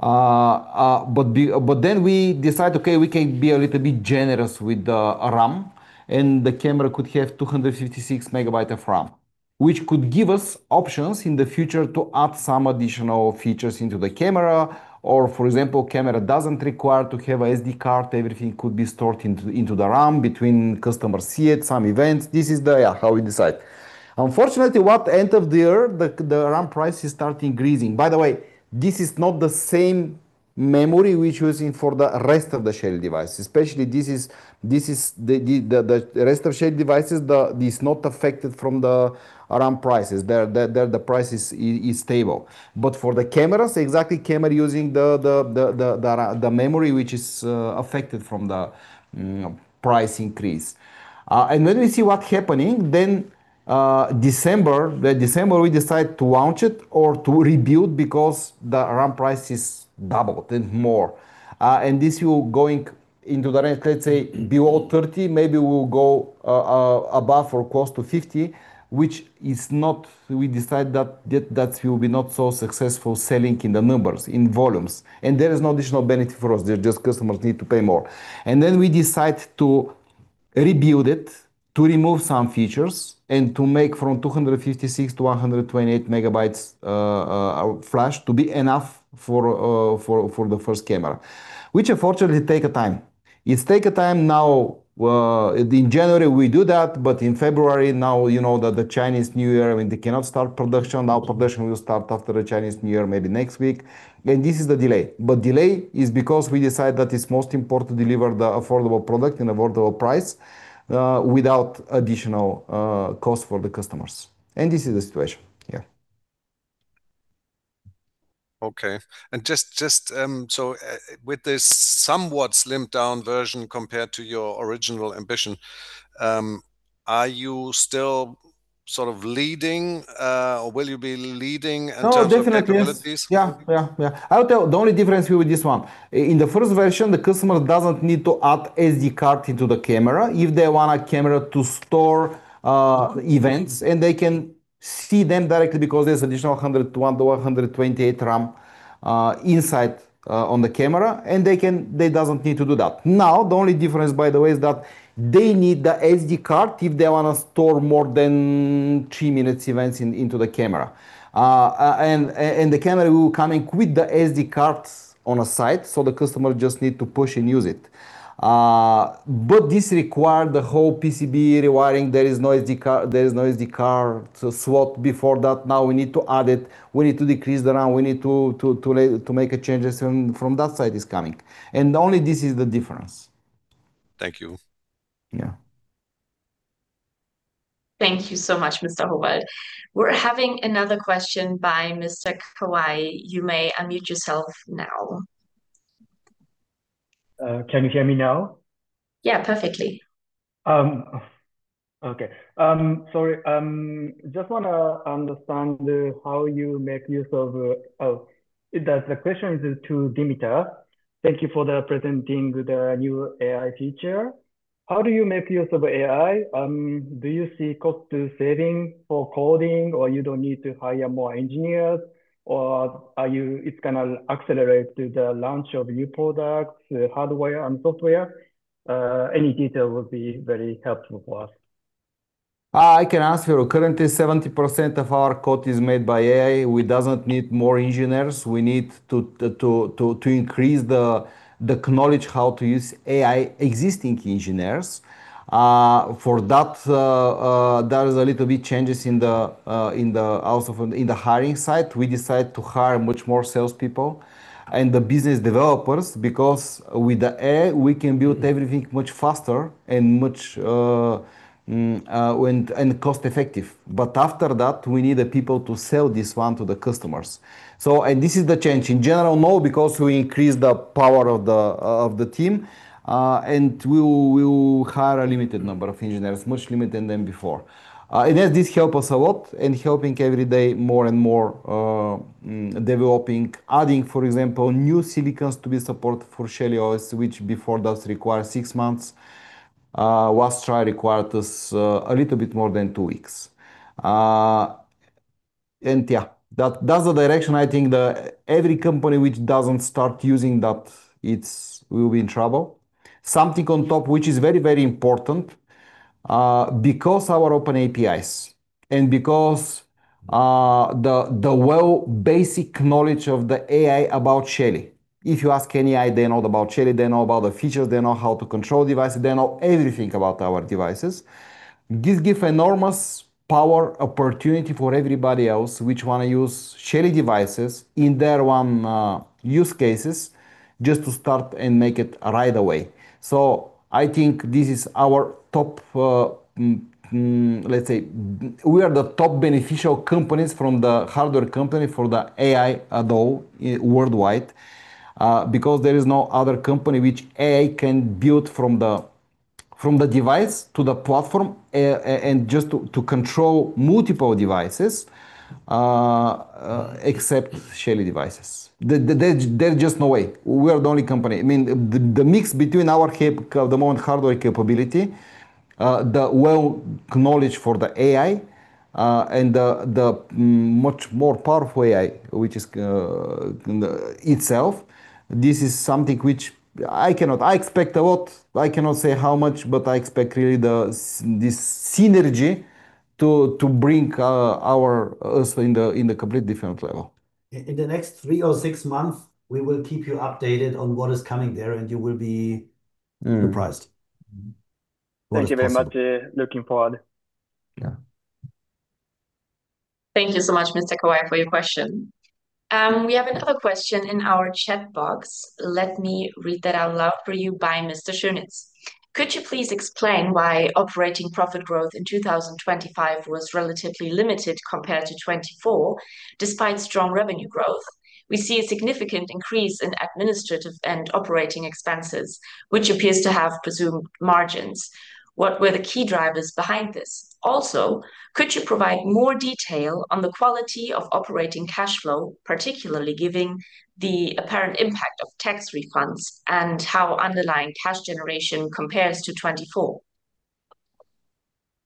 We decide, okay, we can be a little bit generous with the RAM. The camera could have 256 MB of RAM, which could give us options in the future to add some additional features into the camera. For example, camera doesn't require to have a SD card. Everything could be stored into the RAM between customer see it, some events. This is how we decide. Unfortunately, what end of the year, the RAM price is starting increasing. By the way, this is not the same memory we're using for the rest of the Shelly device, especially this is the rest of Shelly devices, this not affected from the RAM prices. The price is stable. For the cameras, exactly camera using the memory, which is affected from the price increase. When we see what happening, then December, the December, we decide to launch it or to rebuild because the RAM price is doubled and more. This will going into the range, let's say, below 30, maybe we'll go above or close to 50. We decide that will be not so successful selling in the numbers, in volumes, and there is no additional benefit for us. There just customers need to pay more. Then we decide to rebuild it, to remove some features, and to make from 256 to 128 MB flash to be enough for the first camera, which unfortunately take a time. It take a time now, in January, we do that, but in February now, you know, that the Chinese New Year, when they cannot start production, now production will start after the Chinese New Year, maybe next week, and this is the delay. Delay is because we decide that it's most important to deliver the affordable product in affordable price, without additional, cost for the customers, and this is the situation. Yeah. Okay. Just, so, with this somewhat slimmed-down version compared to your original ambition, are you still sort of leading, or will you be leading in terms of capabilities? No, definitely, yes. Yeah, yeah, yeah. I'll tell, the only difference with this one: in the first version, the customer doesn't need to add SD card into the camera if they want a camera to store events. They can see them directly because there's additional 101 to 128 RAM inside on the camera. They doesn't need to do that. The only difference, by the way, is that they need the SD card if they want to store more than 3 minutes events in, into the camera. The camera will coming with the SD cards on a side, so the customer just need to push and use it. This require the whole PCB rewiring. There is no SD card, there is no SD card to swap before that. we need to add it, we need to decrease the RAM, we need to make a changes from that side is coming, and only this is the difference. Thank you. Yeah. Thank you so much, Mr. Hohwald. We're having another question by Mr. Kawai. You may unmute yourself now. Can you hear me now? Yeah, perfectly. Okay. Sorry, just wanna understand how you make use of. The question is to Dimitar. Thank you for the presenting the new AI feature. How do you make use of AI? Do you see cost saving for coding, or you don't need to hire more engineers, or it's gonna accelerate the launch of new products, hardware and software? Any detail would be very helpful for us. I can answer you. Currently, 70% of our code is made by AI. We doesn't need more engineers. We need to increase the knowledge how to use AI existing engineers. For that, there is a little bit changes in the also from the in the hiring side. We decide to hire much more salespeople and the business developers, because with the AI, we can build everything much faster and much and cost effective. But after that, we need the people to sell this one to the customers. This is the change. In general, no, because we increase the power of the team, and we will hire a limited number of engineers, much limited than before. This help us a lot in helping every day more and more, developing, adding, for example, new silicon to be support for Mongoose OS, which before does require 6 months, last try required us a little bit more than 2 weeks. That's the direction I think every company which doesn't start using that will be in trouble. Something on top, which is very, very important, because our open APIs and because the well basic knowledge of the AI about Shelly. If you ask any AI, they know about Shelly, they know about the features, they know how to control device, they know everything about our devices. This give enormous power opportunity for everybody else, which want to use Shelly devices in their own use cases, just to start and make it right away. I think this is our top, let's say, we are the top beneficial companies from the hardware company for the AI at all worldwide, because there is no other company which AI can build from the device to the platform and just to control multiple devices, except Shelly devices. There's just no way. We are the only company. I mean, the mix between our more hardware capability, the well knowledge for the AI, and the much more powerful AI, which is itself, this is something which I expect a lot. I cannot say how much, but I expect really this synergy to bring our us in a complete different level. In the next three or six months, we will keep you updated on what is coming there. Mm surprised. Thank you very much. Looking forward. Yeah. Thank you so much, Mr. Kawai, for your question. We have another question in our chat box. Let me read that out loud for you by Mr. Schönitz. "Could you please explain why operating profit growth in 2025 was relatively limited compared to 2024, despite strong revenue growth? We see a significant increase in administrative and operating expenses, which appears to have presumed margins. What were the key drivers behind this? Also, could you provide more detail on the quality of operating cash flow, particularly giving the apparent impact of tax refunds and how underlying cash generation compares to 2024?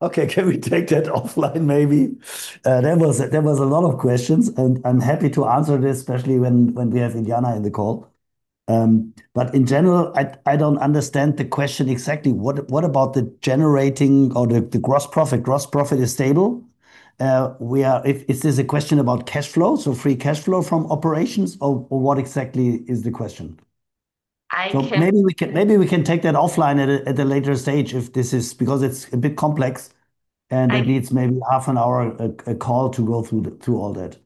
Okay, can we take that offline, maybe? There was a lot of questions, I'm happy to answer this, especially when, when we have Indiana in the call. In general, I, I don't understand the question exactly. What, what about the generating or the, the gross profit? Gross profit is stable. Is this a question about cash flow, so free cash flow from operations, or what exactly is the question? I can- Maybe we can take that offline at a later stage if this is... Because it's a bit complex... I- It needs maybe half an hour, a call to go through all that.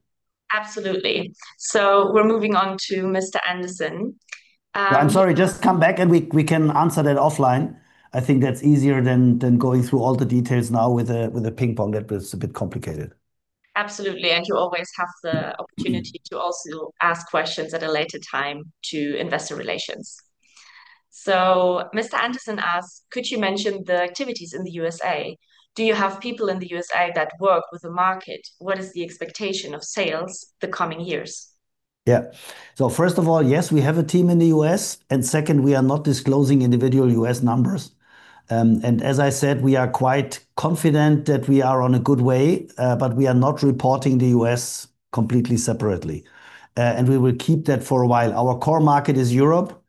Absolutely. We're moving on to Mr. Anderson. I'm sorry, just come back, and we can answer that offline. I think that's easier than going through all the details now with a ping pong. That was a bit complicated. Absolutely. You always have the opportunity to also ask questions at a later time to investor relations. Mr. Anderson asks, "Could you mention the activities in the U.S.A.? Do you have people in the U.S.A. that work with the market? What is the expectation of sales the coming years? Yeah. First of all, yes, we have a team in the U.S., and second, we are not disclosing individual U.S. numbers. As I said, we are quite confident that we are on a good way, but we are not reporting the U.S. completely separately, and we will keep that for a while. Our core market is Europe,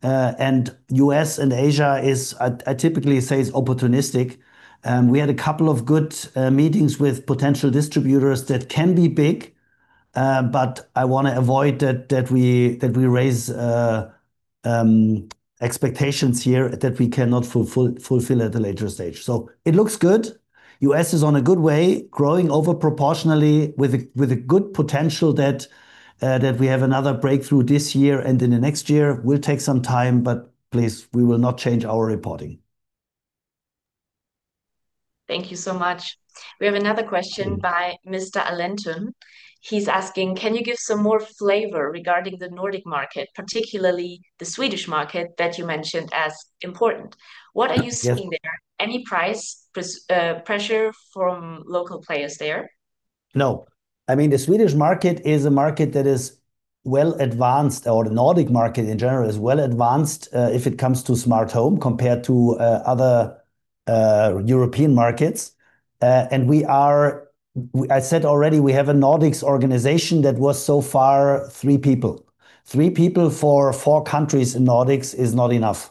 and U.S. and Asia is, I typically say, is opportunistic. We had a couple of good meetings with potential distributors that can be big, but I want to avoid that we raise expectations here that we cannot fulfill at a later stage. It looks good. U.S. is on a good way, growing over proportionally with a good potential that we have another breakthrough this year and in the next year. Will take some time, but please, we will not change our reporting. Thank you so much. We have another question by Mr. Allenton. He's asking: "Can you give some more flavor regarding the Nordic market, particularly the Swedish market that you mentioned as important? Yes. What are you seeing there? Any price pressure from local players there? No. I mean, the Swedish market is a market that is well advanced, or the Nordic market in general is well advanced, if it comes to smart home, compared to other European markets. I said already we have a Nordics organization that was so far three people. Three people for four countries in Nordics is not enough.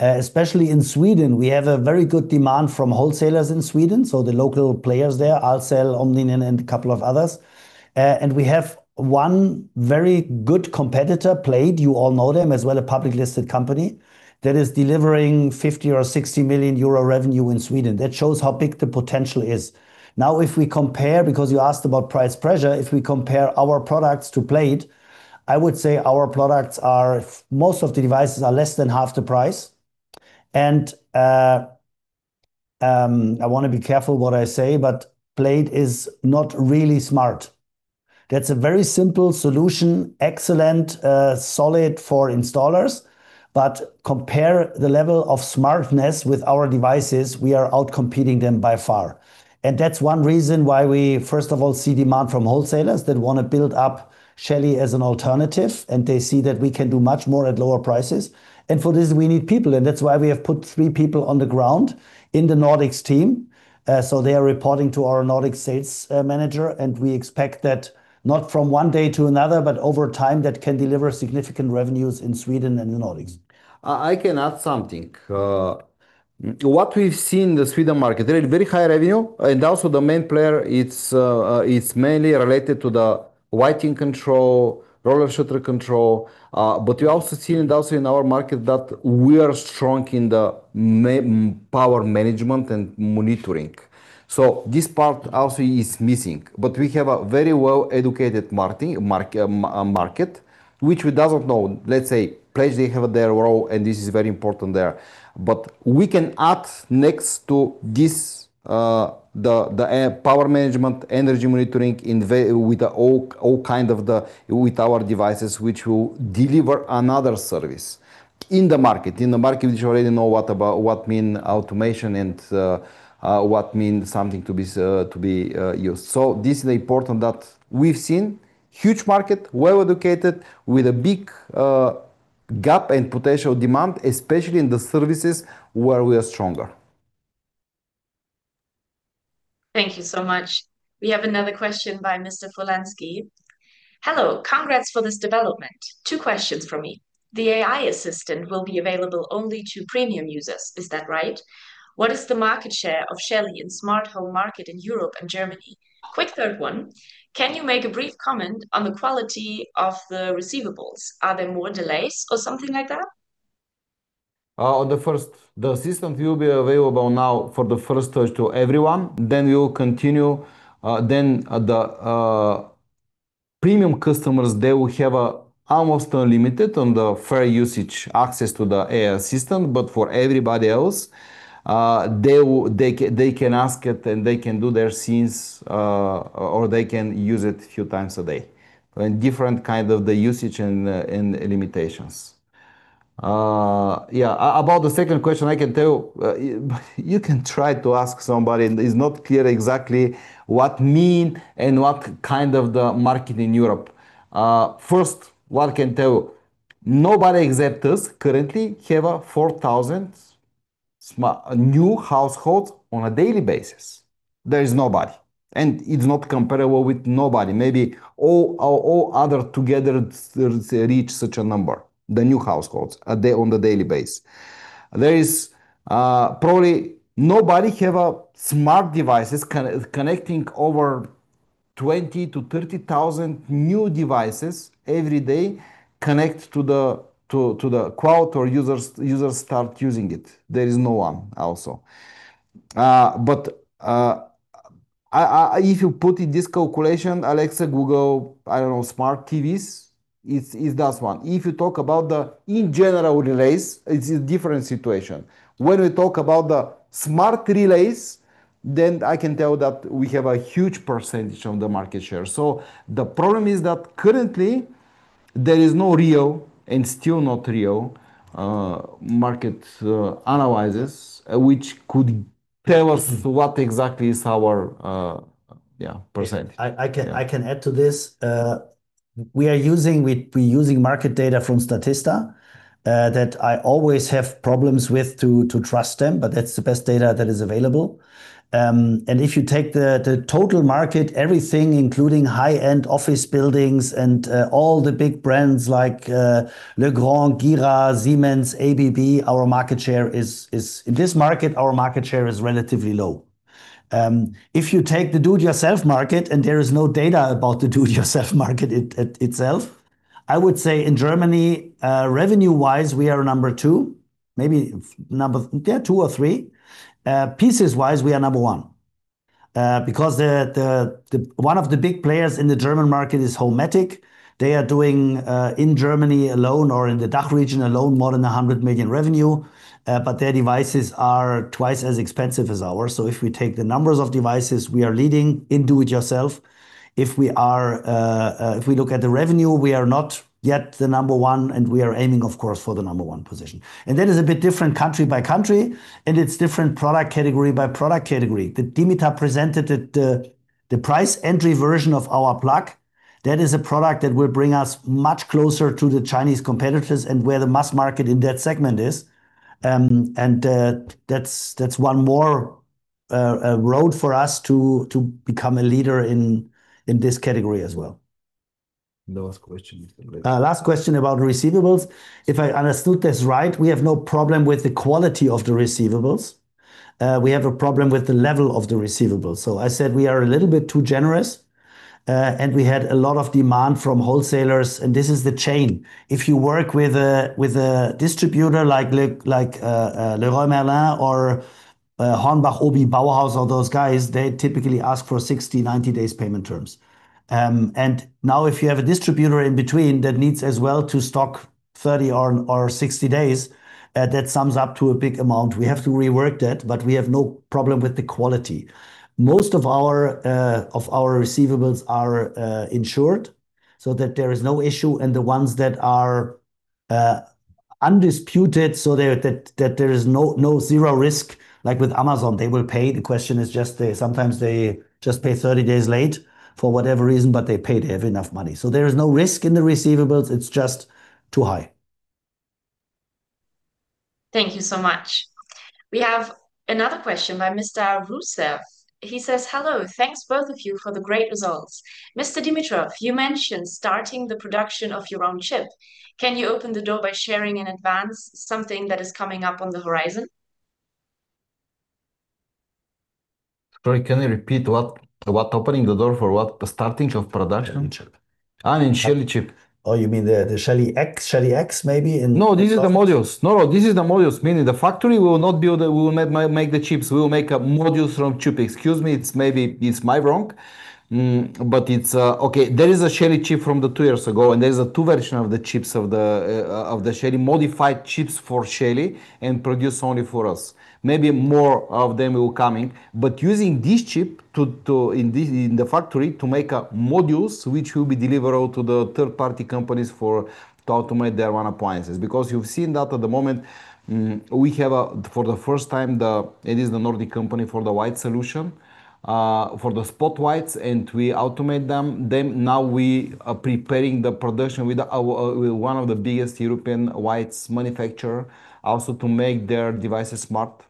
Especially in Sweden, we have a very good demand from wholesalers in Sweden, so the local players there, Ahlsell, Omnilink, and a couple of others. We have one very good competitor, Plejd. You all know them as well, a public listed company, that is delivering 50 or 60 million euro revenue in Sweden. That shows how big the potential is. If we compare, because you asked about price pressure, if we compare our products to Plejd, I would say our products are most of the devices are less than half the price. I want to be careful what I say, but Plejd is not really smart. That's a very simple solution, excellent, solid for installers, but compare the level of smartness with our devices, we are outcompeting them by far. That's one reason why we, first of all, see demand from wholesalers that want to build up Shelly as an alternative, and they see that we can do much more at lower prices, and for this, we need people. That's why we have put three people on the ground in the Nordics team. They are reporting to our Nordic sales manager, and we expect that not from one day to another, but over time, that can deliver significant revenues in Sweden and the Nordics. I can add something. What we've seen in the Sweden market, there is very high revenue, and also the main player, it's mainly related to the lighting control, roller shutter control, but you also see in also in our market that we are strong in the power management and monitoring. This part also is missing, but we have a very well-educated marketing, market, which we doesn't know, let's say, Plejd, they have their role, and this is very important there. We can add next to this, the power management, energy monitoring, with the all kind of the with our devices, which will deliver another service in the market. In the market, you already know what mean automation and what means something to be to be used. This is important that we've seen huge market, well-educated, with a big gap and potential demand, especially in the services where we are stronger. Thank you so much. We have another question by Mr. Polanski. "Hello, congrats for this development. Two questions from me: The AI assistant will be available only to premium users, is that right? What is the market share of Shelly in smart home market in Europe and Germany? Quick third one, can you make a brief comment on the quality of the receivables? Are there more delays or something like that? The first, the assistant will be available now for the first touch to everyone. We will continue, then the premium customers, they will have a almost unlimited on the fair usage access to the AI system. For everybody else, they can ask it, and they can do their scenes, or they can use it a few times a day, and different kind of the usage and limitations. About the second question, I can tell, you can try to ask somebody, and it's not clear exactly what mean and what kind of the market in Europe. What I can tell, nobody except us currently have a 4,000 smart new households on a daily basis. There is nobody, and it's not comparable with nobody. Maybe all other together, they reach such a number, the new households, they on the daily basis. There is probably nobody have a smart devices connecting over 20,000-30,000 new devices every day, connect to the cloud or users start using it. There is no one also. If you put in this calculation, Alexa, Google, I don't know, smart TVs, it's that one. If you talk about the in general relays, it's a different situation. When we talk about the smart relays, I can tell that we have a huge percentage on the market share. The problem is that currently there is no real and still not real market analysis which could tell us what exactly is our, yeah, percentage. I can add to this. We're using market data from Statista that I always have problems with to trust them, but that's the best data that is available. If you take the total market, everything, including high-end office buildings and all the big brands like Legrand, Gira, Siemens, ABB, in this market, our market share is relatively low. If you take the do-it-yourself market, and there is no data about the do-it-yourself market itself, I would say in Germany, revenue-wise, we are number 2, maybe number, yeah, 2 or 3. Pieces-wise, we are number 1, because the one of the big players in the German market is Homematic. They are doing in Germany alone or in the DACH region alone, more than 100 million revenue, but their devices are twice as expensive as ours. If we take the numbers of devices, we are leading in do it yourself. If we look at the revenue, we are not yet the number one, we are aiming, of course, for the number one position. That is a bit different country by country, and it's different product category by product category. The Dimitar presented at the price entry version of our plug. That is a product that will bring us much closer to the Chinese competitors and where the mass market in that segment is. That's one more road for us to become a leader in this category as well. Last question. Last question about receivables. If I understood this right, we have no problem with the quality of the receivables. We have a problem with the level of the receivables. I said we are a little bit too generous, and we had a lot of demand from wholesalers, and this is the chain. If you work with a, with a distributor like Leroy Merlin or Hornbach, OBI, Bauhaus, all those guys, they typically ask for 60, 90 days payment terms. Now if you have a distributor in between that needs as well to stock 30 or 60 days, that sums up to a big amount. We have to rework that, but we have no problem with the quality. Most of our of our receivables are insured, so that there is no issue, and the ones that are undisputed, so that there is no zero risk. Like with Amazon, they will pay. The question is just that sometimes they just pay 30 days late for whatever reason, but they pay. They have enough money. There is no risk in the receivables. It's just too high. Thank you so much. We have another question by Mr. Roussil. He says: "Hello, thanks both of you for the great results. Mr. Dimitrov, you mentioned starting the production of your own chip. Can you open the door by sharing in advance something that is coming up on the horizon? Sorry, can you repeat what opening the door for what? Starting of production? Shelly chip. In Shelly chip. Oh, you mean the Shelly X maybe. No, these are the modules. No, this is the modules, meaning the factory will not make the chips. We will make a modules from chip. Excuse me, it's maybe it's my wrong, but it's. Okay, there is a Shelly chip from the two years ago, and there is a two version of the chips, of the Shelly modified chips for Shelly and produce only for us. Maybe more of them will come in, but using this chip to, to, in this, in the factory to make a modules which will be deliverable to the third-party companies for to automate their own appliances. You've seen that at the moment, we have a, for the first time, the, it is the Nordic company for the white-label solution, for the spot whites, and we automate them. Now we are preparing the production with our, with one of the biggest European whites manufacturer also to make their devices smart,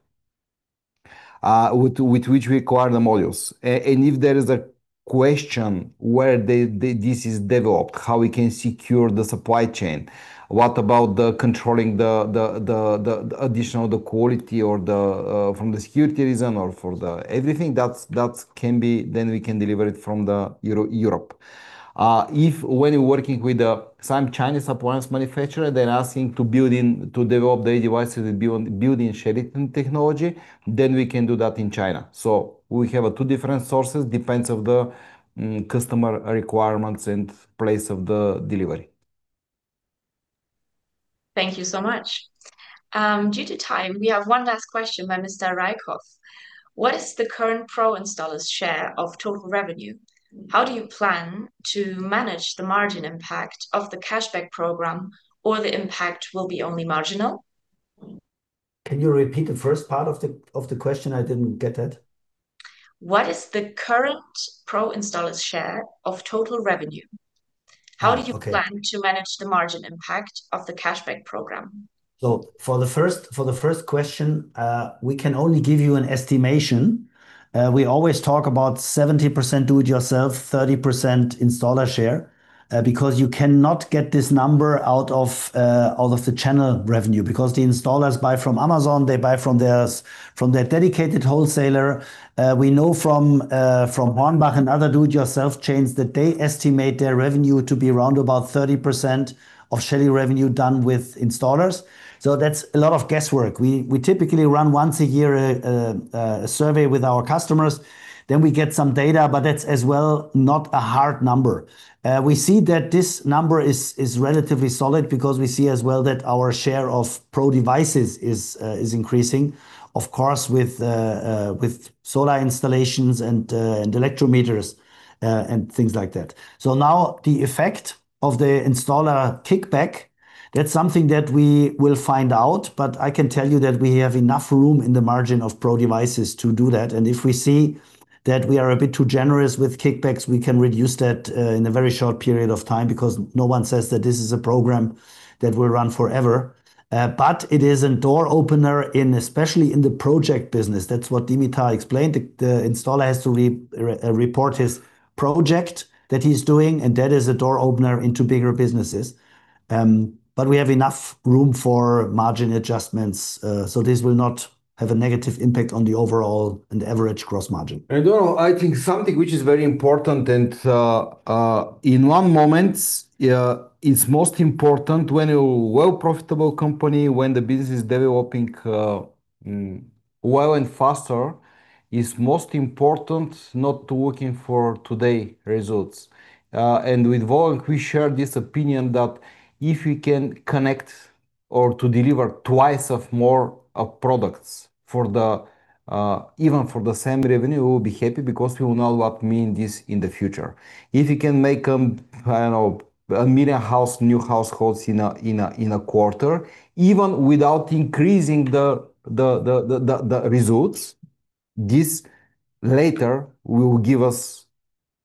with which require the modules. If there is a question where this is developed, how we can secure the supply chain, what about the controlling the additional, the quality or from the security reason or for the everything that's can be, then we can deliver it from Europe. If when you're working with the some Chinese appliance manufacturer, they're asking to build in, to develop their devices and build in Shelly technology, then we can do that in China. We have a 2 different sources, depends of the customer requirements and place of the delivery. Thank you so much. Due to time, we have one last question by Mr. Rykov. "What is the current Pro installers share of total revenue? How do you plan to manage the margin impact of the cashback program, or the impact will be only marginal? Can you repeat the first part of the question? I didn't get that. What is the current Pro installers share of total revenue? Okay. How do you plan to manage the margin impact of the cashback program? For the first, for the first question, we can only give you an estimation. We always talk about 70% do-it-yourself, 30% installer share, because you cannot get this number out of the channel revenue, because the installers buy from Amazon, they buy from their dedicated wholesaler. We know from Hornbach and other do-it-yourself chains, that they estimate their revenue to be around about 30% of Shelly revenue done with installers. That's a lot of guesswork. We typically run once a year, a survey with our customers, then we get some data, but that's as well, not a hard number. We see that this number is relatively solid because we see as well that our share of Pro devices is increasing, of course, with solar installations and electrometers and things like that. Now the effect of the installer kickback, that's something that we will find out, but I can tell you that we have enough room in the margin of Pro devices to do that, and if we see that we are a bit too generous with kickbacks, we can reduce that in a very short period of time, because no one says that this is a program that will run forever. It is a door opener in, especially in the project business. That's what Dimitar explained. The installer has to report his project that he's doing. That is a door opener into bigger businesses. We have enough room for margin adjustments. This will not have a negative impact on the overall and average gross margin. I think something which is very important and in one moment, yeah, it's most important when a well profitable company, when the business is developing, well and faster, is most important not to working for today results. With Wolfgang, we share this opinion that if we can connect or to deliver twice of more of products for the even for the same revenue, we will be happy because we will know what mean this in the future. If we can make, I don't know, 1 million house, new households in a quarter, even without increasing the results, this later will give us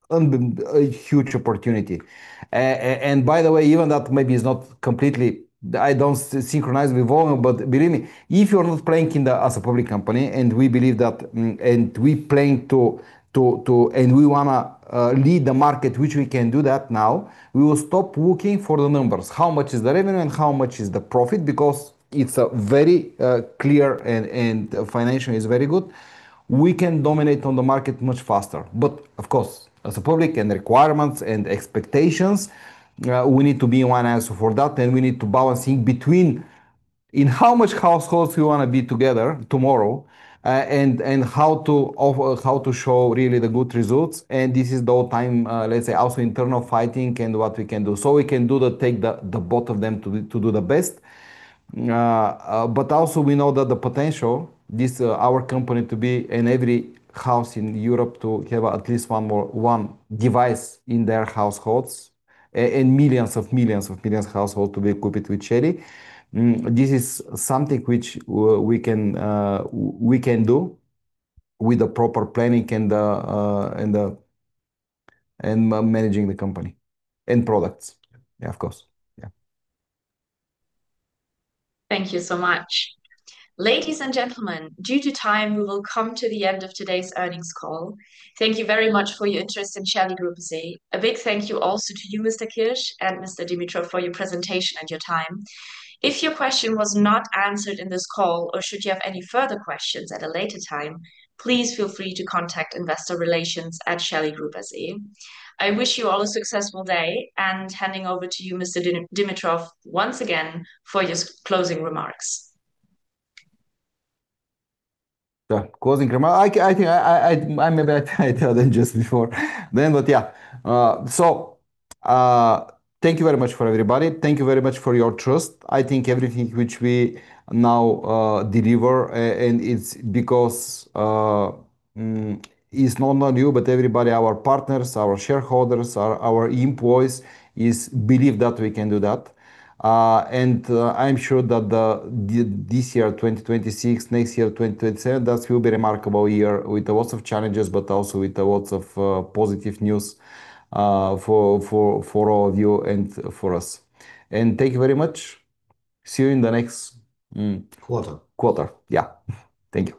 and then a huge opportunity. By the way, even that maybe is not completely, I don't synchronize with volume, but believe me, if you're not playing kinda as a public company, and we believe that, and we playing to and we wanna lead the market, which we can do that now, we will stop looking for the numbers. How much is the revenue, and how much is the profit? Because it's a very clear and, and financially is very good. We can dominate on the market much faster. Of course, as a public, and the requirements, and expectations, we need to be one answer for that, and we need to balancing between in how much households we wanna be together tomorrow, and how to offer, how to show really the good results, and this is the whole time, let's say, also internal fighting and what we can do. We can do take the both of them to do the best. But also we know that the potential, this, our company to be in every house in Europe, to have at least one device in their households, and millions of millions of millions household to be equipped with Shelly. This is something which we can do with the proper planning and the and managing the company and products. Yeah, of course. Yeah. Thank you so much. Ladies and gentlemen, due to time, we will come to the end of today's earnings call. Thank you very much for your interest in Shelly Group SE. A big thank you also to you, Mr. Kirsch and Mr. Dimitrov, for your presentation and your time. If your question was not answered in this call, or should you have any further questions at a later time, please feel free to contact Investor Relations at Shelly Group SE. I wish you all a successful day. Handing over to you, Mr. Dimitrov, once again, for your closing remarks. The closing remark. I think I maybe I tell them just before then, but yeah. Thank you very much for everybody. Thank you very much for your trust. I think everything which we now deliver, and it's because is not only you, but everybody, our partners, our shareholders, our employees, is believe that we can do that. I'm sure that the this year, 2026, next year, 2027, that will be remarkable year with a lots of challenges, but also with a lots of positive news for all of you and for us. Thank you very much. See you in the next. Quarter. quarter. Yeah. Thank you.